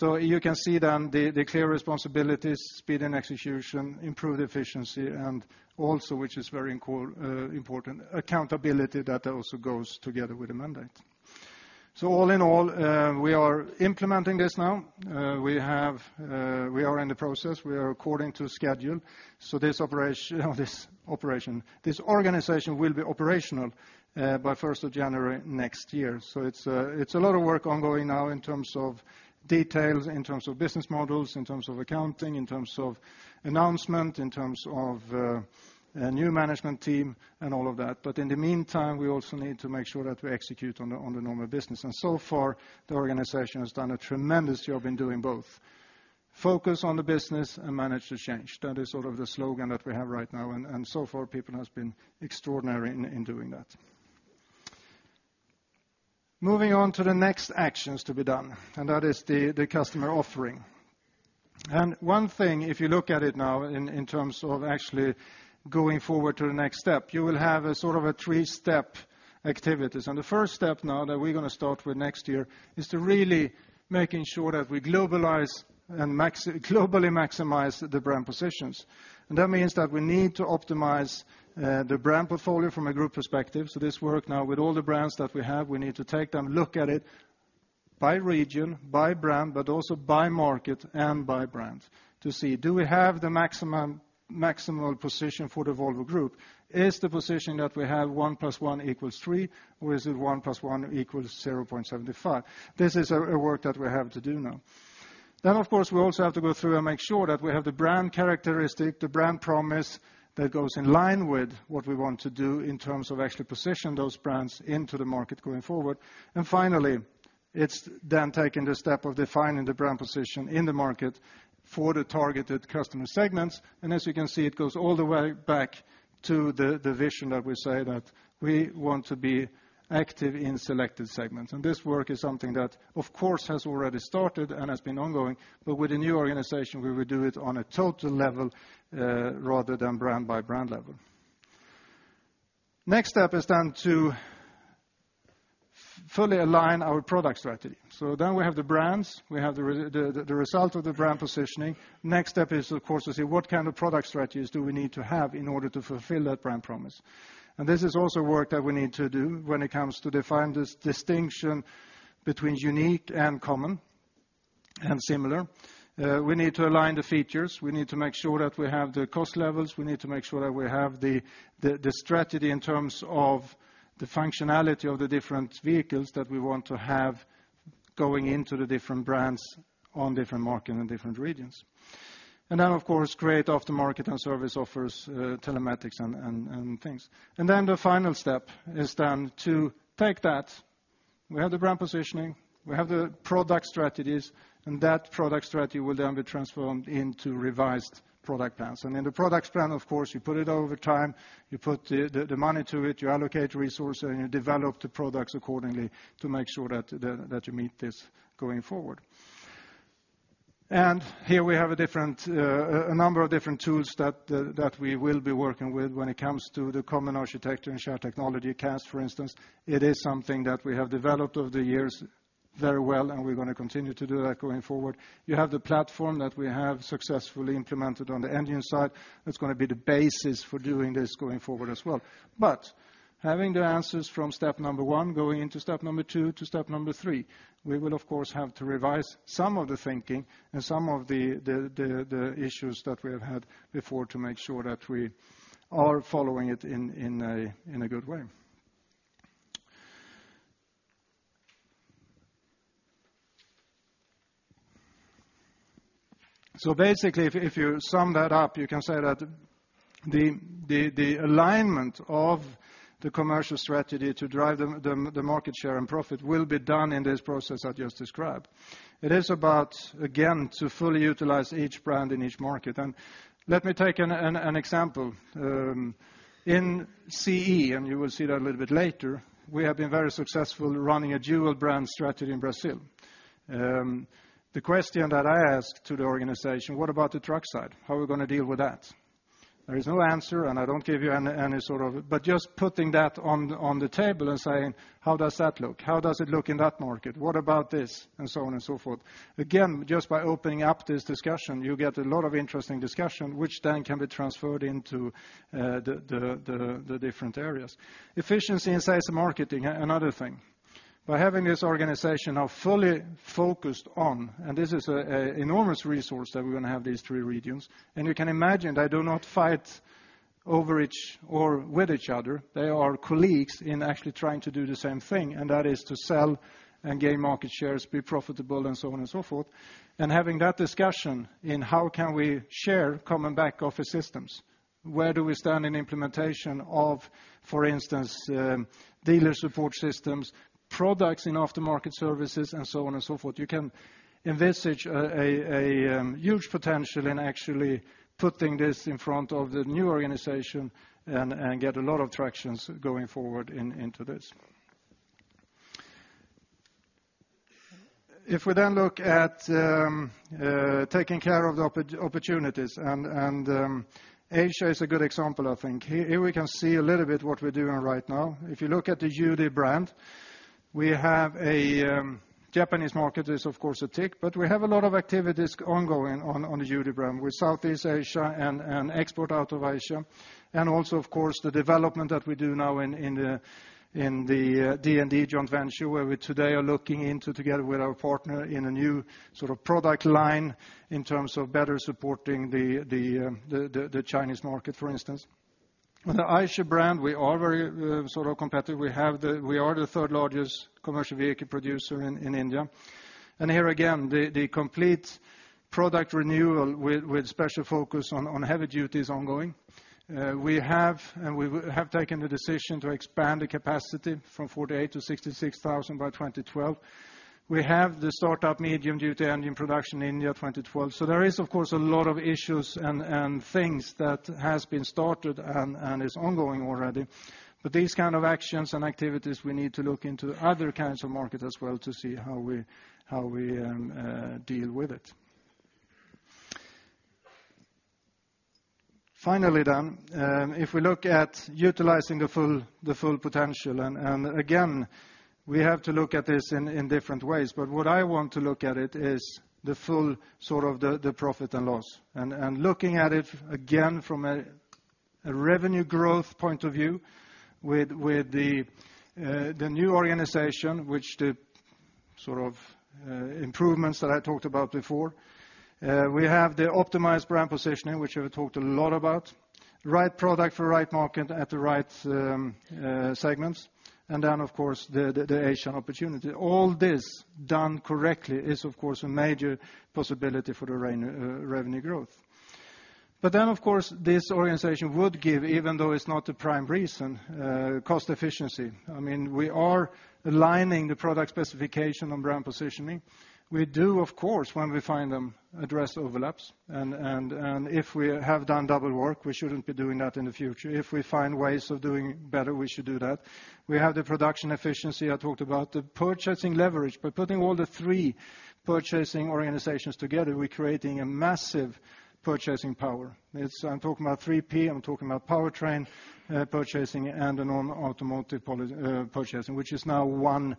You can see then the clear responsibilities, speed in execution, improved efficiency, and also, which is very important, accountability that also goes together with the mandate. All in all, we are implementing this now. We are in the process. We are according to schedule. This operation, this organization will be operational by January 1 next year. It's a lot of work ongoing now in terms of details, in terms of business models, in terms of accounting, in terms of announcement, in terms of a new management team, and all of that. In the meantime, we also need to make sure that we execute on the normal business. So far, the organization has done a tremendous job in doing both. Focus on the business and manage the change. That is sort of the slogan that we have right now. So far, people have been extraordinary in doing that. Moving on to the next actions to be done, that is the customer offering. One thing, if you look at it now in terms of actually going forward to the next step, you will have a sort of a three-step activity. The first step now that we're going to start with next year is to really make sure that we globalize and globally maximize the brand positions. That means that we need to optimize the brand portfolio from a group perspective. This work now with all the brands that we have, we need to take them, look at it by region, by brand, but also by market and by brand to see, do we have the maximum position for the Volvo Group? Is the position that we have 1 + 1 = 3, or is it 1 + 1 = 0.75? This is a work that we have to do now. Of course, we also have to go through and make sure that we have the brand characteristic, the brand promise that goes in line with what we want to do in terms of actually positioning those brands into the market going forward. Finally, it's then taking the step of defining the brand position in the market for the targeted customer segments. As you can see, it goes all the way back to the vision that we say that we want to be active in selected segments. This work is something that, of course, has already started and has been ongoing. With a new organization, we would do it on a total level rather than brand by brand level. Next step is then to fully align our product strategy. We have the brands, we have the result of the brand positioning. Next step is, of course, to see what kind of product strategies do we need to have in order to fulfill that brand promise. This is also work that we need to do when it comes to define this distinction between unique and common and similar. We need to align the features. We need to make sure that we have the cost levels. We need to make sure that we have the strategy in terms of the functionality of the different vehicles that we want to have going into the different brands on different markets and different regions. Of course, create aftermarket and service offers, telematics, and things. The final step is then to take that. We have the brand positioning, we have the product strategies, and that product strategy will then be transformed into revised product plans. In the product plan, you put it over time, you put the money to it, you allocate resources, and you develop the products accordingly to make sure that you meet this going forward. Here we have a number of different tools that we will be working with when it comes to the common architecture and shared technology. CAST, for instance, is something that we have developed over the years very well, and we are going to continue to do that going forward. You have the platform that we have successfully implemented on the engine side. It is going to be the basis for doing this going forward as well. Having the answers from step number one going into step number two to step number three, we will, of course, have to revise some of the thinking and some of the issues that we have had before to make sure that we are following it in a good way. Basically, if you sum that up, you can say that the alignment of the commercial strategy to drive the market share and profit will be done in this process I just described. It is about, again, to fully utilize each brand in each market. Let me take an example. In CE, and you will see that a little bit later, we have been very successful running a dual brand strategy in Brazil. The question that I asked to the organization, what about the truck side? How are we going to deal with that? There is no answer, and I do not give you any sort of, but just putting that on the table and saying, how does that look? How does it look in that market? What about this? Again, just by opening up this discussion, you get a lot of interesting discussion, which then can be transferred into the different areas. Efficiency in sales and marketing, another thing. By having this organization now fully focused on, and this is an enormous resource that we're going to have these three regions, you can imagine they do not fight over each or with each other. They are colleagues in actually trying to do the same thing, that is to sell and gain market shares, be profitable, and so on and so forth. Having that discussion in how can we share common back office systems? Where do we stand in implementation of, for instance, dealer support systems, products in aftermarket services, and so on and so forth? You can envisage a huge potential in actually putting this in front of the new organization and get a lot of tractions going forward into this. If we then look at taking care of the opportunities, Asia is a good example, I think. Here we can see a little bit what we're doing right now. If you look at the UD brand, we have a Japanese market is, of course, a tick, but we have a lot of activities ongoing on the UD brand with Southeast Asia and export out of Asia. Also, of course, the development that we do now in the DND joint venture, where we today are looking into together with our partner in a new sort of product line in terms of better supporting the Chinese market, for instance. With the Eicher brand, we are very sort of competitive. We are the third largest commercial vehicle producer in India. Here again, the complete product renewal with special focus on heavy duty is ongoing. We have taken the decision to expand the capacity from 48,000-66,000 by 2012. We have the startup medium-duty engine production in India 2012. There is, of course, a lot of issues and things that have been started and are ongoing already. These kinds of actions and activities, we need to look into other kinds of markets as well to see how we deal with it. Finally, if we look at utilizing the full potential, we have to look at this in different ways. What I want to look at is the full sort of the profit and loss. Looking at it again from a revenue growth point of view with the new organization, with the sort of improvements that I talked about before, we have the optimized brand positioning, which I've talked a lot about. Right product for the right market at the right segments. Then, of course, the Asian opportunity. All this done correctly is, of course, a major possibility for the revenue growth. Of course, this organization would give, even though it's not the prime reason, cost efficiency. I mean, we are aligning the product specification on brand positioning. We do, of course, when we find them, address overlaps. If we have done double work, we shouldn't be doing that in the future. If we find ways of doing better, we should do that. We have the production efficiency I talked about, the purchasing leverage. By putting all the three purchasing organizations together, we're creating a massive purchasing power. I'm talking about 3P. I'm talking about powertrain purchasing and the non-automotive purchasing, which is now one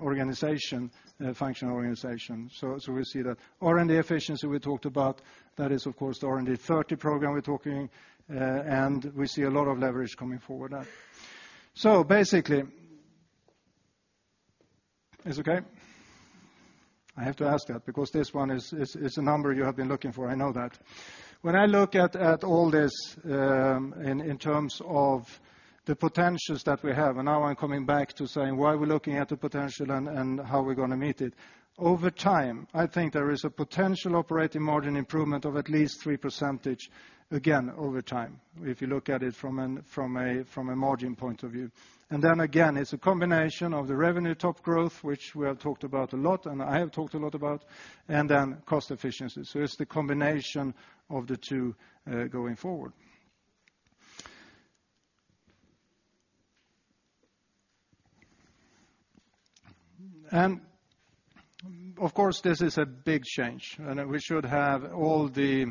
organization, functional organization. We see that R&D efficiency we talked about, that is, of course, the R&D 30 program we're talking about. We see a lot of leverage coming forward there. Basically, it's okay. I have to ask that because this one is a number you have been looking for. I know that. When I look at all this in terms of the potentials that we have, and now I'm coming back to saying why we're looking at the potential and how we're going to meet it. Over time, I think there is a potential operating margin improvement of at least 3% again over time if you look at it from a margin point of view. Again, it's a combination of the revenue top growth, which we have talked about a lot, and I have talked a lot about, and then cost efficiency. It's the combination of the two going forward. Of course, this is a big change. We should have all the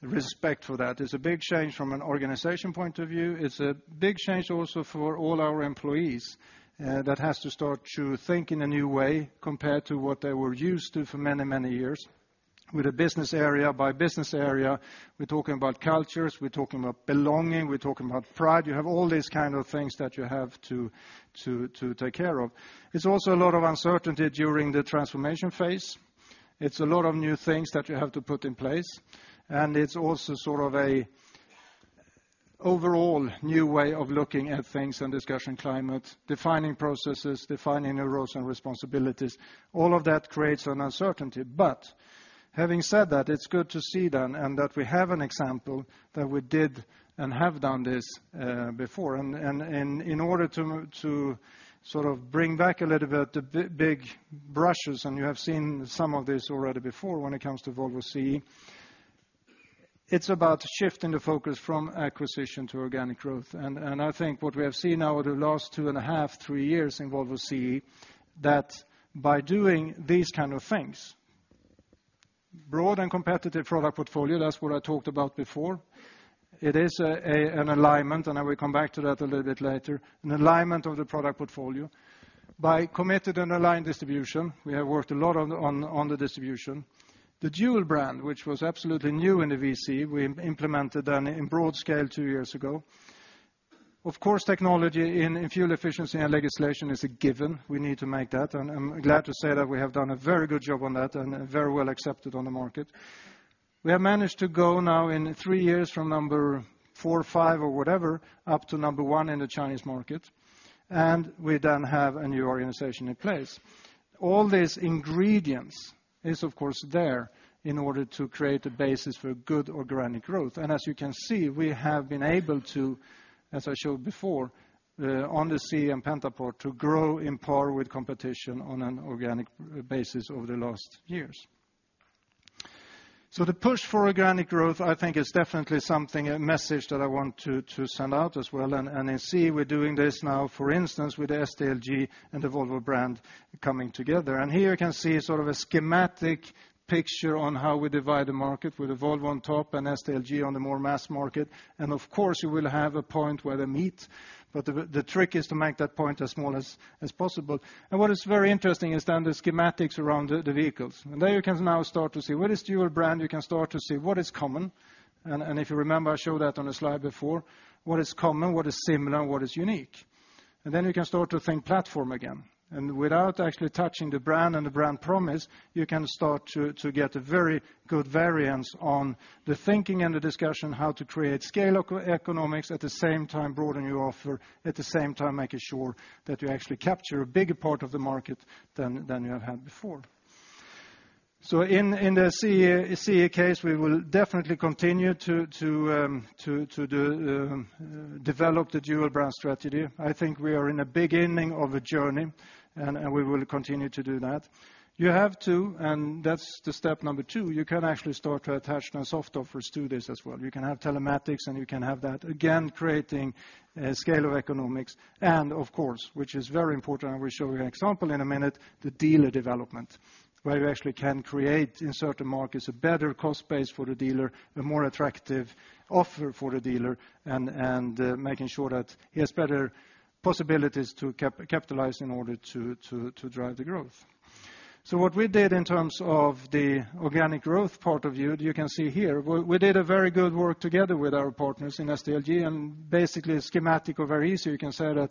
respect for that. It's a big change from an organization point of view. It's a big change also for all our employees that have to start to think in a new way compared to what they were used to for many, many years. With a business area by business area, we're talking about cultures, we're talking about belonging, we're talking about pride. You have all these kinds of things that you have to take care of. It's also a lot of uncertainty during the transformation phase. It's a lot of new things that you have to put in place. It's also sort of an overall new way of looking at things and discussing climate, defining processes, defining new roles and responsibilities. All of that creates an uncertainty. Having said that, it's good to see then and that we have an example that we did and have done this before. In order to sort of bring back a little bit the big brushes, you have seen some of this already before when it comes to Volvo CE. It's about shifting the focus from acquisition to organic growth. I think what we have seen now over the last two and a half, three years in Volvo CE is that by doing these kinds of things, broad and competitive product portfolio, that's what I talked about before. It is an alignment, and I will come back to that a little bit later, an alignment of the product portfolio. By committed and aligned distribution, we have worked a lot on the distribution. The dual brand, which was absolutely new in the Volvo CE, we implemented then in broad scale two years ago. Of course, technology in fuel efficiency and legislation is a given. We need to make that. I'm glad to say that we have done a very good job on that and very well accepted on the market. We have managed to go now in three years from number four, five, or whatever, up to number one in the Chinese market. We then have a new organization in place. All these ingredients are, of course, there in order to create a basis for good organic growth. As you can see, we have been able to, as I showed before, on the CE and Penta port to grow in par with competition on an organic basis over the last years. The push for organic growth, I think, is definitely something, a message that I want to send out as well. In CE, we're doing this now, for instance, with the SDLG and the Volvo brand coming together. Here you can see sort of a schematic picture on how we divide the market with the Volvo on top and SDLG on the more mass market. Of course, you will have a point where they meet. The trick is to make that point as small as possible. What is very interesting is then the schematics around the vehicles. There you can now start to see what is dual brand. You can start to see what is common. If you remember, I showed that on a slide before, what is common, what is similar, and what is unique. You can start to think platform again. Without actually touching the brand and the brand promise, you can start to get a very good variance on the thinking and the discussion, how to create scale economics at the same time, broaden your offer, at the same time making sure that you actually capture a bigger part of the market than you have had before. In the CE case, we will definitely continue to develop the dual brand strategy. I think we are in the beginning of a journey, and we will continue to do that. You have to, and that's the step number two, you can actually start to attach some soft offers to this as well. You can have telematics, and you can have that, again, creating a scale of economics. Of course, which is very important, I will show you an example in a minute, the dealer development, where you actually can create in certain markets a better cost base for the dealer, a more attractive offer for the dealer, and making sure that he has better possibilities to capitalize in order to drive the growth. What we did in terms of the organic growth part of view, you can see here, we did a very good work together with our partners in SDLG. Basically, schematic or very easy, you can say that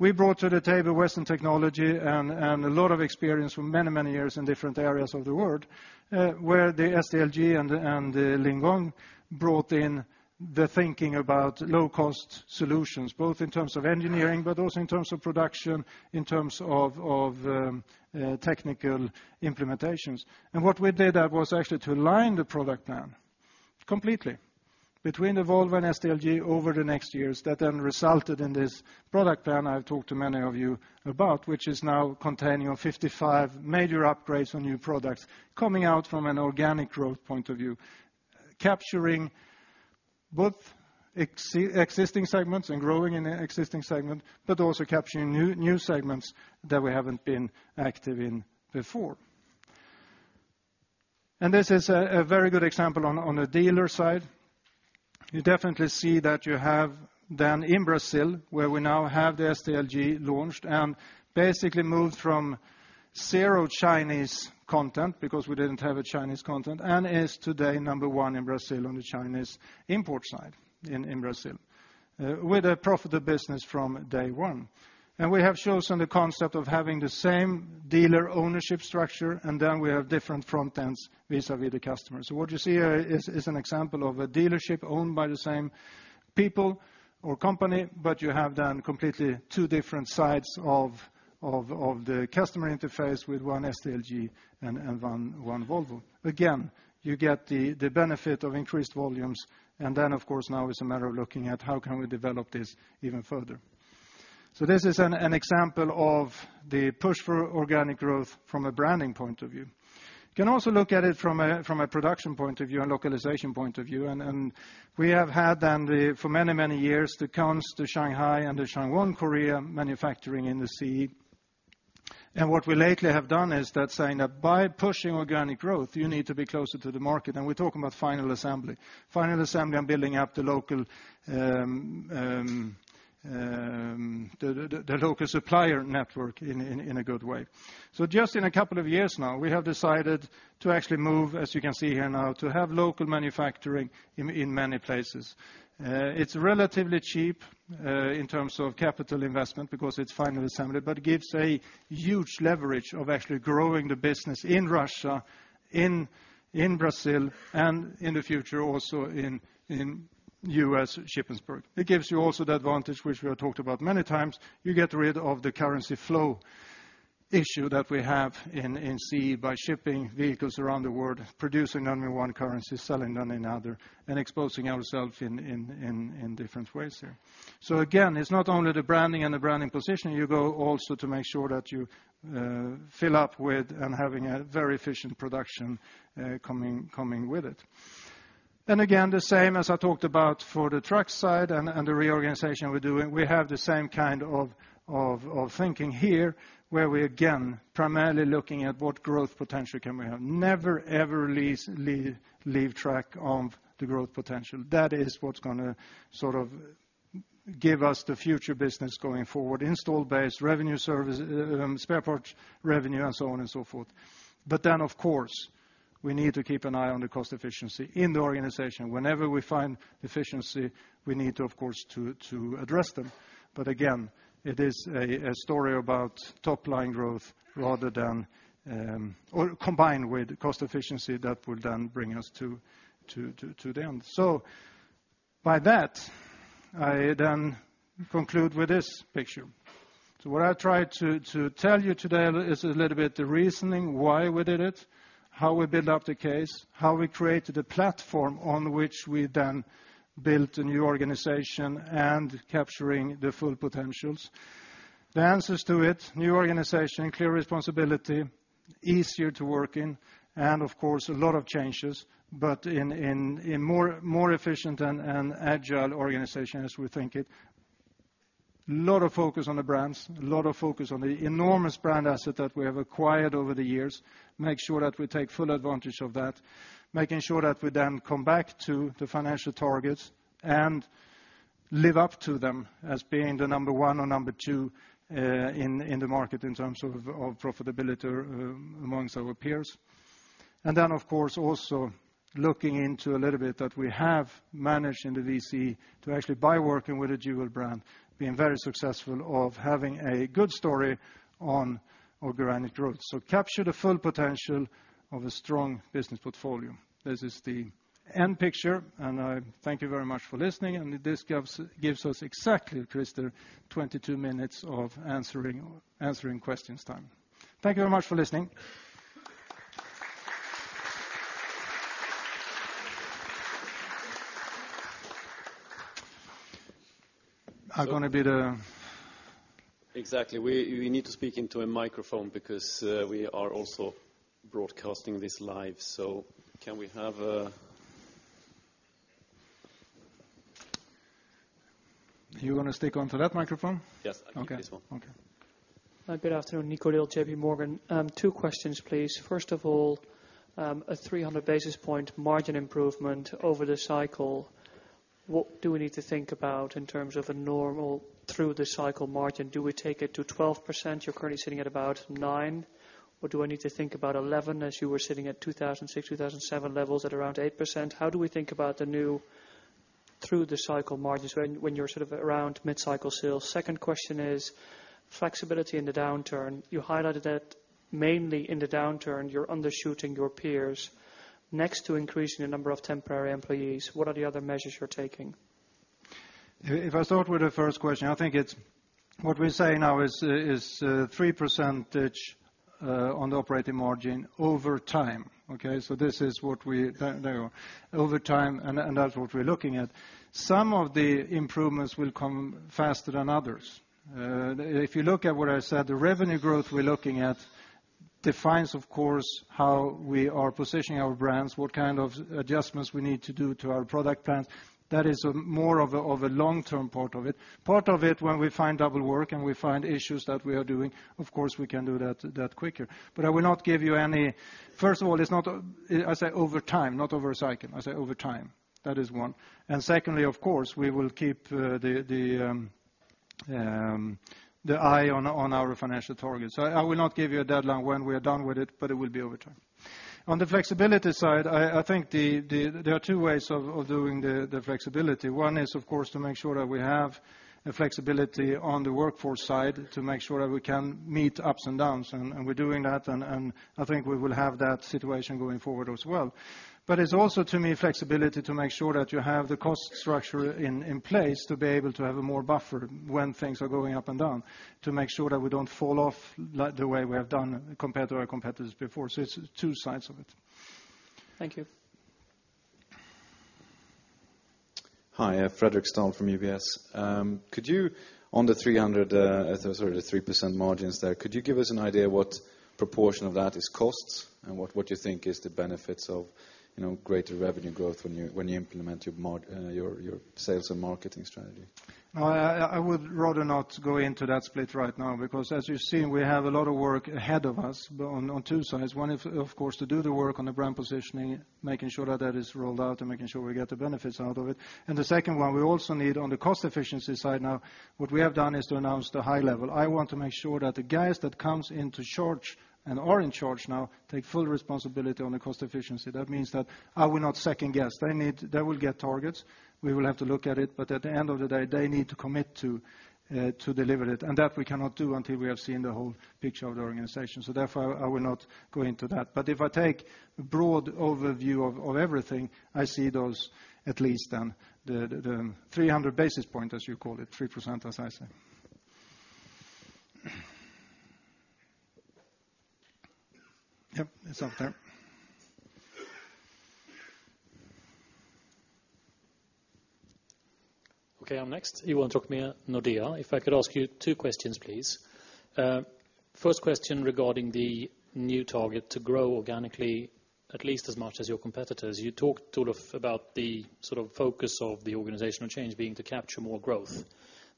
we brought to the table Western technology and a lot of experience from many, many years in different areas of the world, where SDLG and Lingong brought in the thinking about low-cost solutions, both in terms of engineering, but also in terms of production, in terms of technical implementations. What we did, that was actually to align the product plan completely between Volvo and SDLG over the next years. That then resulted in this product plan I've talked to many of you about, which is now containing 55 major upgrades on new products coming out from an organic growth point of view, capturing both existing segments and growing in an existing segment, but also capturing new segments that we haven't been active in before. This is a very good example on the dealer side. You definitely see that you have then in Brazil, where we now have the SDLG launched and basically moved from zero Chinese content because we didn't have a Chinese content and is today number one in Brazil on the Chinese import side in Brazil with a profitable business from day one. We have chosen the concept of having the same dealer ownership structure, and then we have different front ends vis-à-vis the customer. What you see is an example of a dealership owned by the same people or company, but you have then completely two different sides of the customer interface with one SDLG and one Volvo. You get the benefit of increased volumes. Now it's a matter of looking at how can we develop this even further. This is an example of the push for organic growth from a branding point of view. You can also look at it from a production point of view and localization point of view. We have had then for many, many years the Shanghai and the Shanghai Korea manufacturing in the CE. What we lately have done is that saying that by pushing organic growth, you need to be closer to the market. We're talking about final assembly, final assembly and building up the local supplier network in a good way. Just in a couple of years now, we have decided to actually move, as you can see here now, to have local manufacturing in many places. It's relatively cheap in terms of capital investment because it's final assembly, but gives a huge leverage of actually growing the business in Russia, in Brazil, and in the future also in the U.S., Shippensburg. It gives you also the advantage, which we have talked about many times. You get rid of the currency flow issue that we have in CE by shipping vehicles around the world, producing only one currency, selling none in other, and exposing ourselves in different ways here. It's not only the branding and the branding position. You go also to make sure that you fill up with and having a very efficient production coming with it. The same as I talked about for the truck side and the reorganization we're doing, we have the same kind of thinking here where we again primarily looking at what growth potential can we have. Never, ever leave track of the growth potential. That is what's going to sort of give us the future business going forward, install base, revenue services, spare parts revenue, and so on and so forth. Of course, we need to keep an eye on the cost efficiency in the organization. Whenever we find efficiency, we need to, of course, address them. It is a story about top line growth combined with cost efficiency that will then bring us to the end. By that, I then conclude with this picture. What I tried to tell you today is a little bit the reasoning why we did it, how we built up the case, how we created the platform on which we then built a new organization and capturing the full potentials. The answers to it, new organization, clear responsibility, easier to work in, and of course, a lot of changes, but in a more efficient and agile organization as we think it. A lot of focus on the brands, a lot of focus on the enormous brand asset that we have acquired over the years. Make sure that we take full advantage of that, making sure that we then come back to the financial targets and live up to them as being the number one or number two in the market in terms of profitability amongst our peers. Of course, also looking into a little bit that we have managed in the VC to actually by working with a dual brand, being very successful of having a good story on organic growth. Capture the full potential of a strong business portfolio. This is the end picture, and I thank you very much for listening. This gives us exactly, Christer, 22 minutes of answering questions time. Thank you very much for listening. How going to be the... Exactly. We need to speak into a microphone because we are also broadcasting this live. Can we have... You're going to stick onto that microphone? Yes, I can do this one. Okay. Good afternoon, Nicholiel, JPMorgan. Two questions, please. First of all, a 300 basis point margin improvement over the cycle. What do we need to think about in terms of a normal through the cycle margin? Do we take it to 12%? You're currently sitting at about 9%, or do I need to think about 11% as you were sitting at 2006, 2007 levels at around 8%? How do we think about the new through the cycle margins when you're sort of around mid-cycle still? Second question is flexibility in the downturn. You highlighted that mainly in the downturn, you're undershooting your peers. Next to increasing the number of temporary employees, what are the other measures you're taking? If I start with the first question, I think what we say now is 3% on the operating margin over time. Okay, so this is what we know over time, and that's what we're looking at. Some of the improvements will come faster than others. If you look at what I said, the revenue growth we're looking at defines, of course, how we are positioning our brands, what kind of adjustments we need to do to our product plan. That is more of a long-term part of it. Part of it, when we find double work and we find issues that we are doing, of course, we can do that quicker. I will not give you any... First of all, I say over time, not over a cycle. I say over time. That is one. Secondly, of course, we will keep the eye on our financial targets. I will not give you a deadline when we are done with it, but it will be over time. On the flexibility side, I think there are two ways of doing the flexibility. One is, of course, to make sure that we have a flexibility on the workforce side to make sure that we can meet ups and downs. We're doing that, and I think we will have that situation going forward as well. It is also, to me, flexibility to make sure that you have the cost structure in place to be able to have more buffer when things are going up and down, to make sure that we don't fall off the way we have done compared to our competitors before. It is two sides of it. Thank you. Hi, [Frederic Stone] from UBS. On the 3% margins there, could you give us an idea of what proportion of that is costs, and what you think is the benefits of greater revenue growth when you implement your sales and marketing strategy? I would rather not go into that split right now because, as you've seen, we have a lot of work ahead of us on two sides. One is, of course, to do the work on the brand positioning, making sure that that is rolled out and making sure we get the benefits out of it. The second one, we also need on the cost efficiency side now, what we have done is to announce the high level. I want to make sure that the guys that come into charge and are in charge now take full responsibility on the cost efficiency. That means that I will not second guess. They will get targets. We will have to look at it. At the end of the day, they need to commit to deliver it. That we cannot do until we have seen the whole picture of the organization. Therefore, I will not go into that. If I take a broad overview of everything, I see those at least then the 300 basis point, as you call it, 3% as I say. Yep, it's up there. Okay, I'm next. [Iwan Tchokmeer], Nordea. If I could ask you two questions, please. First question regarding the new target to grow organically, at least as much as your competitors. You talked about the sort of focus of the organizational change being to capture more growth.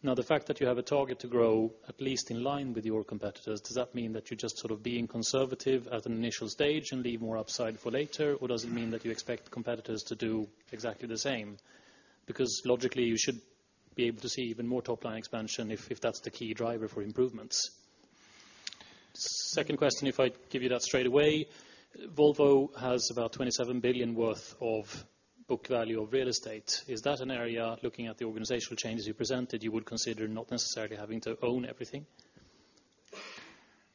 Now, the fact that you have a target to grow at least in line with your competitors, does that mean that you're just sort of being conservative at an initial stage? Leave more upside for later? Does it mean that you expect competitors to do exactly the same? Logically, you should be able to see even more top-line expansion if that's the key driver for improvements. Second question, if I give you that straight away: Volvo has about 27 billion worth of book value of real estate. Is that an area, looking at the organizational changes you presented, you would consider not necessarily having to own everything?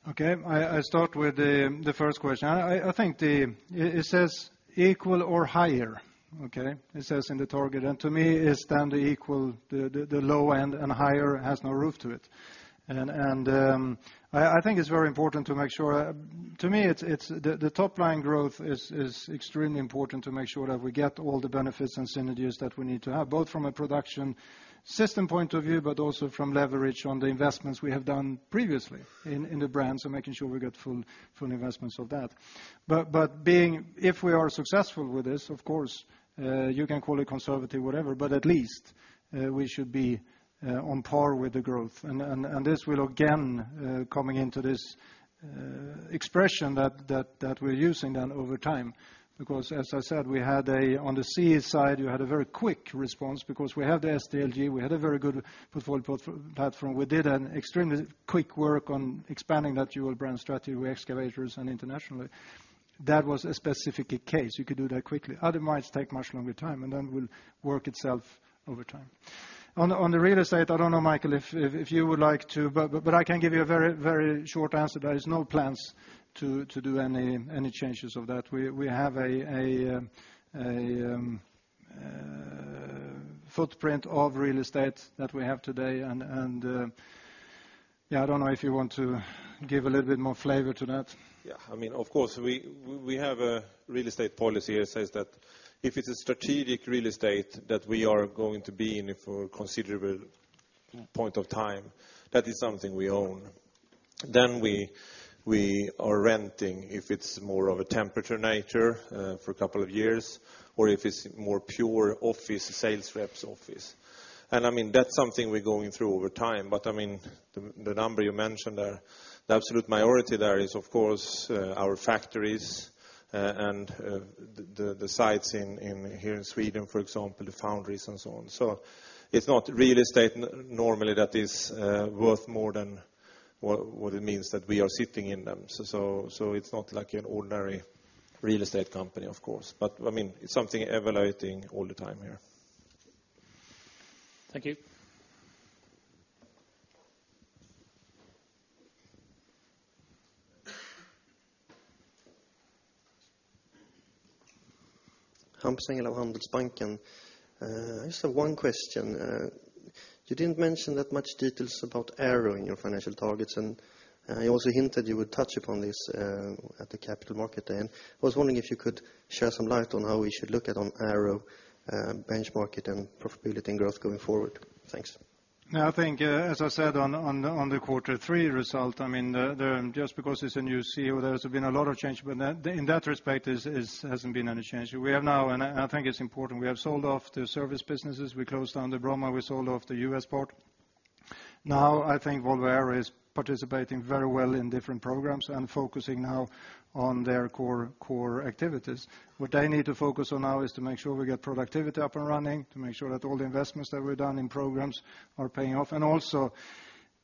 Okay, I start with the first question. I think it says equal or higher. Okay, it says in the target, and to me, it's standard equal. The low end and higher has no roof to it. I think it's very important to make sure to me, the top-line growth is extremely important to make sure that we get all the benefits and synergies that we need to have, both from a production system point of view, but also from leverage on the investments we have done previously in the brand. Making sure we get full investments of that. If we are successful with this, of course, you can call it conservative, whatever, but at least we should be on par with the growth. This will again come into this expression that we're using then over time. As I said, we had a, on the CE side, you had a very quick response because we have the SDLG, we had a very good portfolio platform. We did an extremely quick work on expanding that dual brand strategy with excavators and internationally. That was a specific case. You could do that quickly. Otherwise, it takes much longer time, and it will work itself over time. On the real estate, I don't know, Mikael, if you would like to, but I can give you a very, very short answer. There are no plans to do any changes of that. We have a footprint of real estate that we have today. I don't know if you want to give a little bit more flavor to that. Yeah, I mean, of course, we have a real estate policy. It says that if it's a strategic real estate that we are going to be in for a considerable point of time, that is something we own. We are renting if it's more of a temporary nature for a couple of years, or if it's more pure office, sales reps' office. That's something we're going through over time. The number you mentioned there, the absolute majority there is, of course, our factories and the sites here in Sweden, for example, the foundries and so on. It's not real estate normally that is worth more than what it means that we are sitting in them. It's not like an ordinary real estate company, of course. It's something evaluating all the time here. Thank you. [Engellau], Handelsbanken. I just have one question. You didn't mention that much detail about ARO in your financial targets, and I also hinted you would touch upon this at the capital market day. I was wondering if you could share some light on how we should look at ARO benchmarking and profitability and growth going forward. Thanks. I think, as I said, on the quarter three result, just because it's a new CEO, there's been a lot of change. In that respect, there hasn't been any change. We have now, and I think it's important, we have sold off the service businesses. We closed down the Broma. We sold off the U.S. port. I think Volvo Air is participating very well in different programs and focusing now on their core activities. What they need to focus on now is to make sure we get productivity up and running, to make sure that all the investments that were done in programs are paying off, and also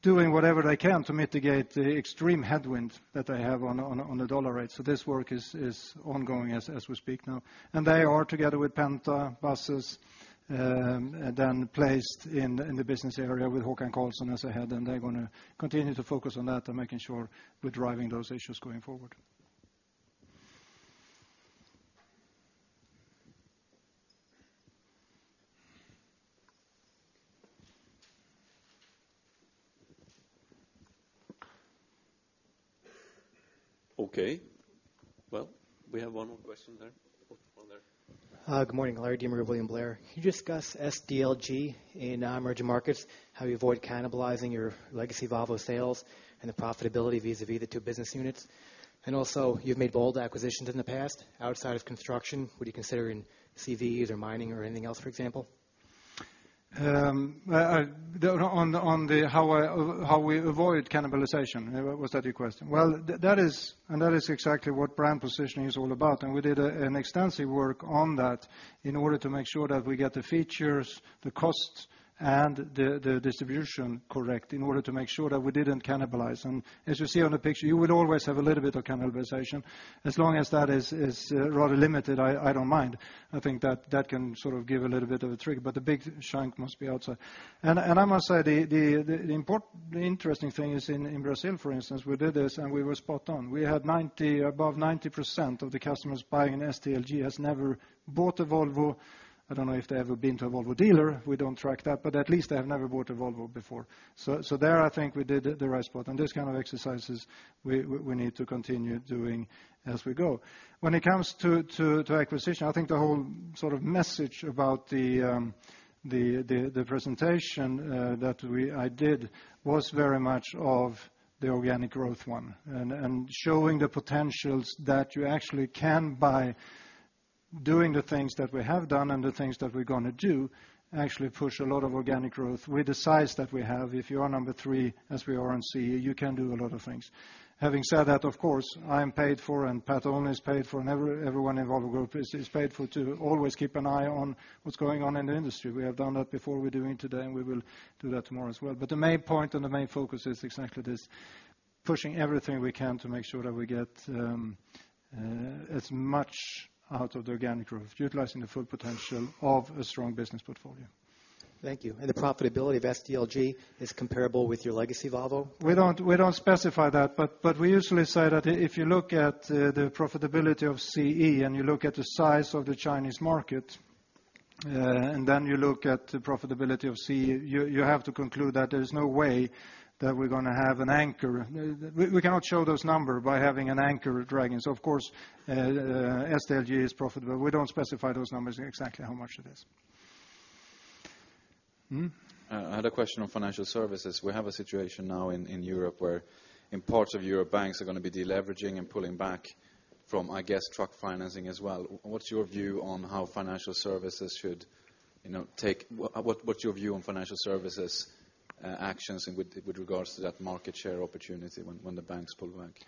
doing whatever they can to mitigate the extreme headwind that they have on the dollar rate. This work is ongoing as we speak now. They are together with Penta buses and then placed in the business area with [Håkan Karlsson] as Head. They're going to continue to focus on that and making sure we're driving those issues going forward. Okay. We have one more question there. Hi, good morning. [Larry Demer] of William Blair. You discussed SDLG in emerging markets, how you avoid cannibalizing your legacy Volvo sales, and the profitability vis-à-vis the two business units. Also, you've made bold acquisitions in the past. Outside of construction, would you consider in CVs or mining or anything else, for example? On how we avoid cannibalization? Was that your question? That is exactly what brand positioning is all about. We did extensive work on that in order to make sure that we get the features, the costs, and the distribution correct in order to make sure that we didn't cannibalize. As you see on the picture, you would always have a little bit of cannibalization. As long as that is rather limited, I don't mind. I think that can sort of give a little bit of a trick, but the big shank must be outside. I must say, the interesting thing is in Brazil, for instance, we did this and we were spot on. We had above 90% of the customers buying an SDLG have never bought a Volvo. I don't know if they've ever been to a Volvo dealer. We don't track that, but at least they have never bought a Volvo before. There, I think we did the right spot. This kind of exercises, we need to continue doing as we go. When it comes to acquisition, I think the whole sort of message about the presentation that I did was very much of the organic growth one and showing the potential that you actually can by doing the things that we have done and the things that we're going to do actually push a lot of organic growth with the size that we have. If you are number three, as we are in CE, you can do a lot of things. Having said that, of course, I'm paid for and [Pat Olney] is paid for and everyone in Volvo Group is paid for to always keep an eye on what's going on in the industry. We have done that before. We're doing today and we will do that tomorrow as well. The main point and the main focus is exactly this, pushing everything we can to make sure that we get as much out of the organic growth, utilizing the full potential of a strong business portfolio. Thank you. Is the profitability of SDLG comparable with your legacy Volvo? We don't specify that, but we usually say that if you look at the profitability of CE and you look at the size of the Chinese market and then you look at the profitability of CE, you have to conclude that there's no way that we're going to have an anchor. We cannot show those numbers by having an anchor dragging. Of course, SDLG is profitable. We don't specify those numbers exactly how much it is. I had a question on financial services. We have a situation now in Europe where in parts of Europe, banks are going to be deleveraging and pulling back from, I guess, truck financing as well. What's your view on how financial services should take, what's your view on financial services actions with regards to that market share opportunity when the banks pull back?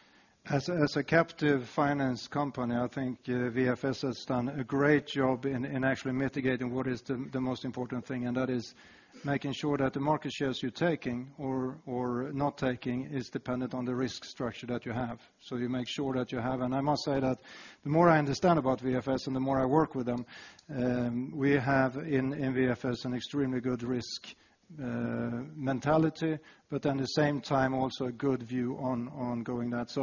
As a captive finance company, I think VFS has done a great job in actually mitigating what is the most important thing, and that is making sure that the market shares you're taking or not taking is dependent on the risk structure that you have. You make sure that you have, and I must say that the more I understand about VFS and the more I work with them, we have in VFS an extremely good risk mentality, but at the same time, also a good view on going that.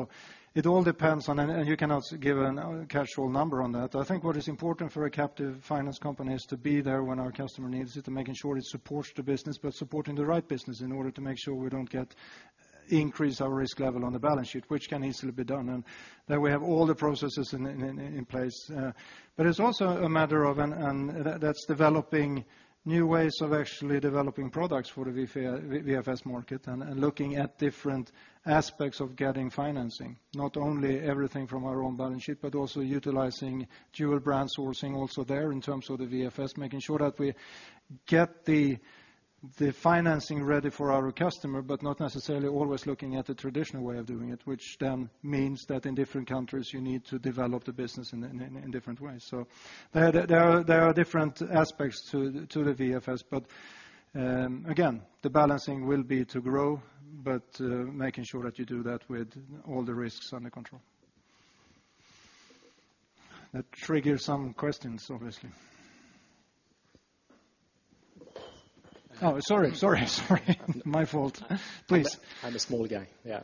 It all depends on, and you cannot give a casual number on that. I think what is important for a captive finance company is to be there when our customer needs it, to making sure it supports the business, but supporting the right business in order to make sure we don't increase our risk level on the balance sheet, which can easily be done. We have all the processes in place. It's also a matter of developing new ways of actually developing products for the VFS market and looking at different aspects of getting financing, not only everything from our own balance sheet, but also utilizing dual brand sourcing also there in terms of the VFS, making sure that we get the financing ready for our customer, but not necessarily always looking at the traditional way of doing it, which then means that in different countries, you need to develop the business in different ways. There are different aspects to the VFS, but again, the balancing will be to grow, but making sure that you do that with all the risks under control. That triggers some questions, obviously. Oh, sorry, sorry, sorry. My fault. Please. I'm a small guy. Yeah.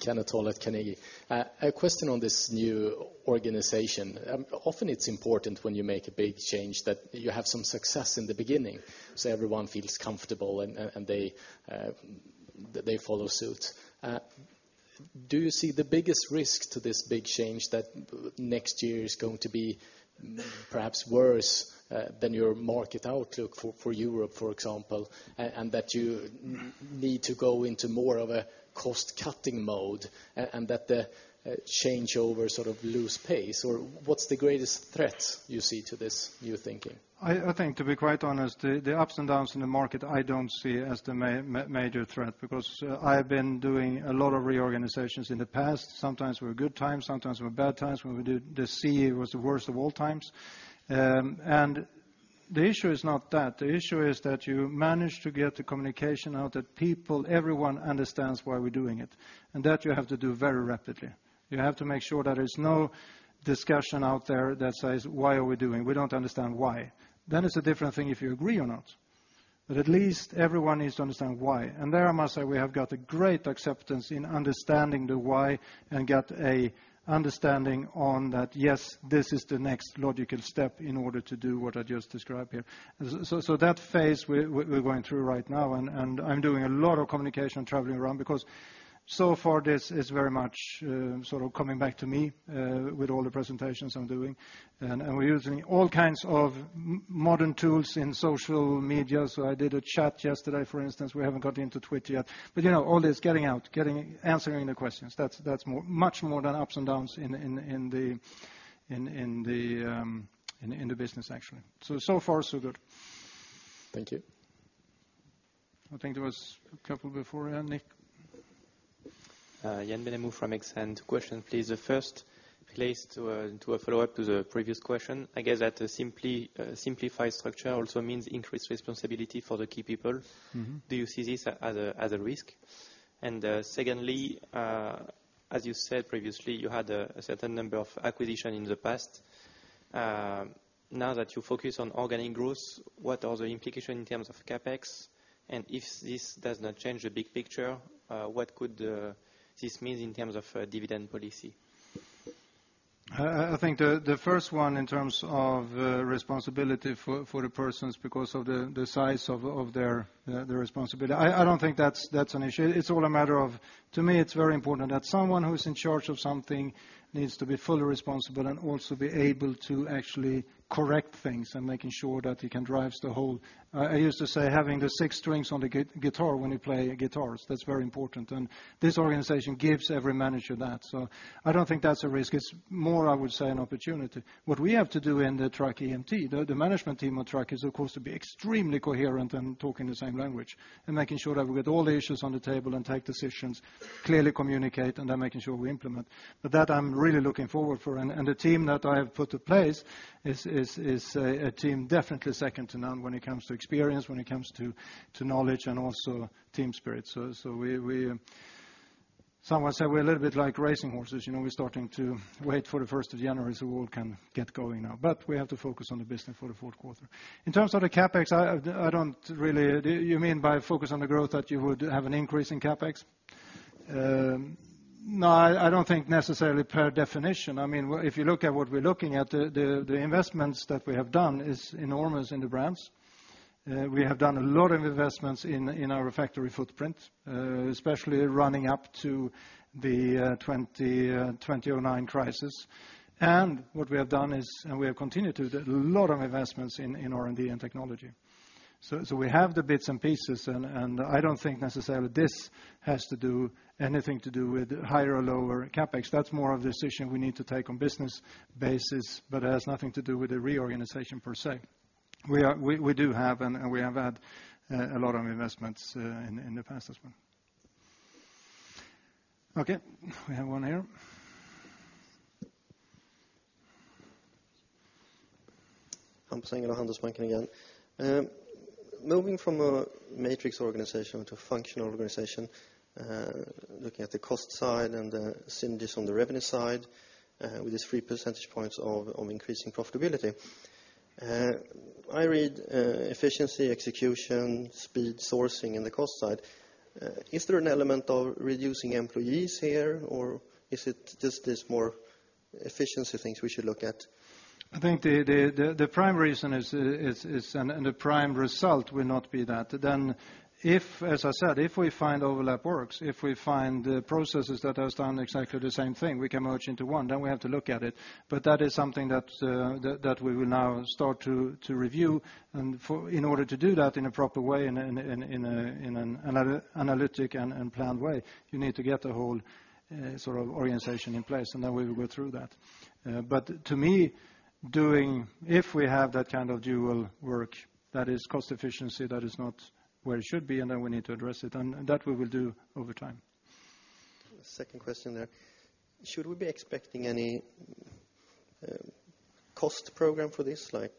[Kenneth Hall at Carnegie]. A question on this new organization. Often, it's important when you make a big change that you have some success in the beginning, so everyone feels comfortable and they follow suit. Do you see the biggest risk to this big change that next year is going to be perhaps worse than your market outlook for Europe, for example, and that you need to go into more of a cost-cutting mode and that the changeovers sort of lose pace, or what's the greatest threats you see to this new thinking? I think, to be quite honest, the ups and downs in the market, I don't see as the major threat because I have been doing a lot of reorganizations in the past. Sometimes we're in good times, sometimes we're in bad times. When we did the CE, it was the worst of all times. The issue is not that. The issue is that you manage to get the communication out that people, everyone understands why we're doing it. You have to do that very rapidly. You have to make sure that there's no discussion out there that says, why are we doing it? We don't understand why. It is a different thing if you agree or not, but at least everyone needs to understand why. I must say, we have got a great acceptance in understanding the why and get an understanding on that, yes, this is the next logical step in order to do what I just described here. That phase we're going through right now, and I'm doing a lot of communication and traveling around because so far this is very much sort of coming back to me with all the presentations I'm doing. We're using all kinds of modern tools in social media. I did a chat yesterday, for instance. We haven't got into Twitter yet. All this getting out, getting answering the questions, that's much more than ups and downs in the business, actually. So far, so good. Thank you. I think there was a couple before, Nick. [Yann Benamou from Exxent]. Question, please. The first, please do a follow-up to the previous question. I guess that a simplified structure also means increased responsibility for the key people. Do you see this as a risk? Secondly, as you said previously, you had a certain number of acquisitions in the past. Now that you focus on organic growth, what are the implications in terms of CapEx? If this does not change the big picture, what could this mean in terms of a dividend policy? I think the first one in terms of responsibility for the persons because of the size of their responsibility. I don't think that's an issue. It's all a matter of, to me, it's very important that someone who's in charge of something needs to be fully responsible and also be able to actually correct things and make sure that it can drive the whole. I used to say having the six strings on the guitar when you play guitars. That's very important. This organization gives every manager that. I don't think that's a risk. It's more, I would say, an opportunity. What we have to do in the track EMT, the management team of track, is, of course, to be extremely coherent and talk in the same language and make sure that we get all the issues on the table and take decisions, clearly communicate, and then make sure we implement. That I'm really looking forward to. The team that I have put in place is a team definitely second to none when it comes to experience, when it comes to knowledge, and also team spirit. Someone said we're a little bit like racing horses. You know, we're starting to wait for the 1st of January so we all can get going now. We have to focus on the business for the fourth quarter. In terms of the CapEx, I don't really, you mean by focus on the growth that you would have an increase in CapEx? No, I don't think necessarily per definition. I mean, if you look at what we're looking at, the investments that we have done are enormous in the brands. We have done a lot of investments in our factory footprint, especially running up to the 2009 crisis. What we have done is, and we have continued to do a lot of investments in R&D and technology. We have the bits and pieces, and I don't think necessarily this has anything to do with higher or lower CapEx. That's more of a decision we need to take on a business basis, but it has nothing to do with the reorganization per se. We do have, and we have had, a lot of investments in the past as well. Okay, we have one here. [Engellau], Handelsbanken again. Moving from a matrix organization to a functional organization, looking at the cost side and the synergies on the revenue side, with these 3% of increasing profitability, I read efficiency, execution, speed sourcing in the cost side. Is there an element of reducing employees here, or is it just these more efficiency things we should look at? I think the prime reason is, and the prime result will not be that. If, as I said, we find overlap works, if we find the processes that have done exactly the same thing, we can merge into one, we have to look at it. That is something that we will now start to review. In order to do that in a proper way and in an analytic and planned way, you need to get the whole sort of organization in place, and then we will go through that. To me, if we have that kind of dual work, that is cost efficiency, that is not where it should be, and we need to address it. That we will do over time. Second question there. Should we be expecting any cost program for this? Like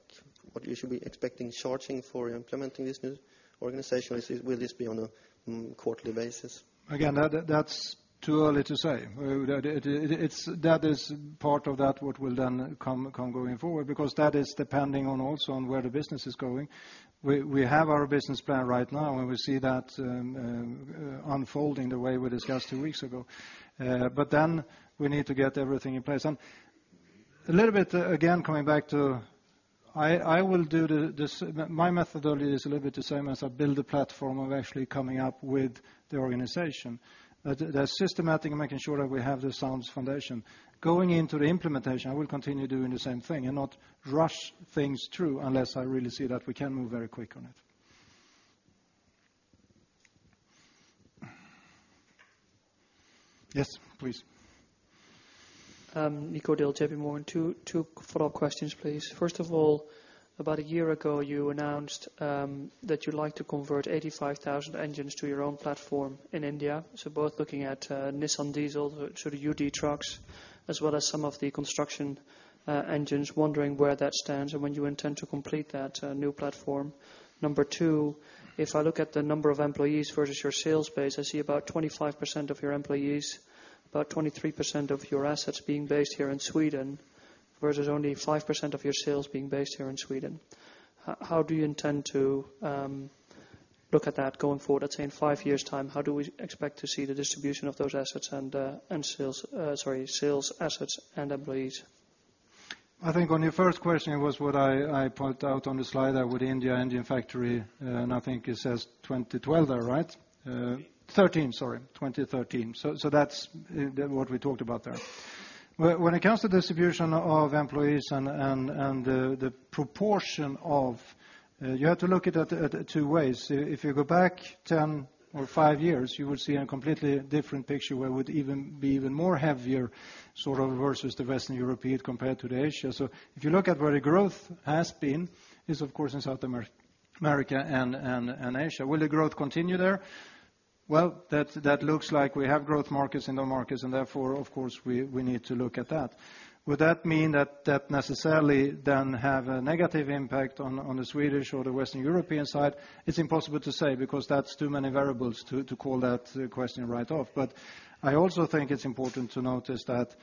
what should we be expecting charging for implementing this new organization? Will this be on a quarterly basis? Again, that's too early to say. That is part of that, what will then come going forward because that is depending also on where the business is going. We have our business plan right now, and we see that unfolding the way we discussed two weeks ago. We need to get everything in place. A little bit, again, coming back to I will do this. My methodology is a little bit the same as I build a platform of actually coming up with the organization. That's systematic and making sure that we have the sound foundation. Going into the implementation, I will continue doing the same thing and not rush things through unless I really see that we can move very quick on it. Yes, please. [Nico Dilchebi Morgan], two follow-up questions, please. First of all, about a year ago, you announced that you'd like to convert 85,000 engines to your own platform in India. Both looking at Nissan Diesel, so the UD trucks, as well as some of the construction engines, wondering where that stands and when you intend to complete that new platform. Number two, if I look at the number of employees versus your sales base, I see about 25% of your employees, about 23% of your assets being based here in Sweden, versus only 5% of your sales being based here in Sweden. How do you intend to look at that going forward? Let's say in five years' time, how do we expect to see the distribution of those assets and sales, sorry, sales assets and employees? I think on your first question, it was what I pointed out on the slide with India engine factory, and I think it says 2012 there, right? 13, sorry, 2013. That's what we talked about there. When it comes to the distribution of employees and the proportion of, you have to look at it two ways. If you go back 10 or 5 years, you will see a completely different picture where it would be even more heavier sort of versus the Western European compared to Asia. If you look at where the growth has been, it's, of course, in South America and Asia. Will the growth continue there? That looks like we have growth markets in those markets, and therefore, of course, we need to look at that. Would that mean that that necessarily then has a negative impact on the Swedish or the Western European side? It's impossible to say because that's too many variables to call that question right off. I also think it's important to notice that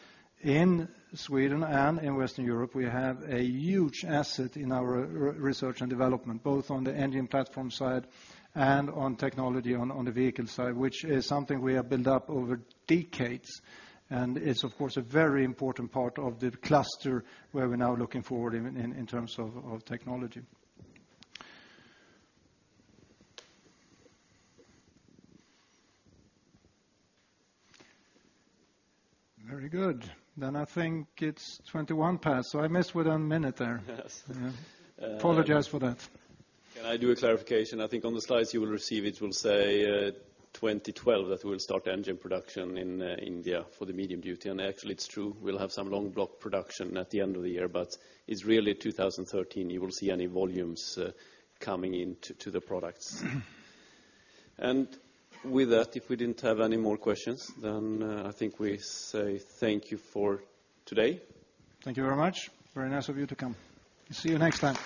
in Sweden and in Western Europe, we have a huge asset in our research and development, both on the engine platform side and on technology on the vehicle side, which is something we have built up over decades. It's, of course, a very important part of the cluster where we're now looking forward in terms of technology. Very good. I think it's 21 past. I missed within a minute there. Yes, I apologize for that. Can I do a clarification? I think on the slides you will receive, it will say 2012 that we will start engine production in India for the medium duty. Actually, it's true. We'll have some long block production at the end of the year, but it's really 2013. You will see any volumes coming into the products. If we didn't have any more questions, I think we say thank you for today. Thank you very much. Very nice of you to come. See you next time.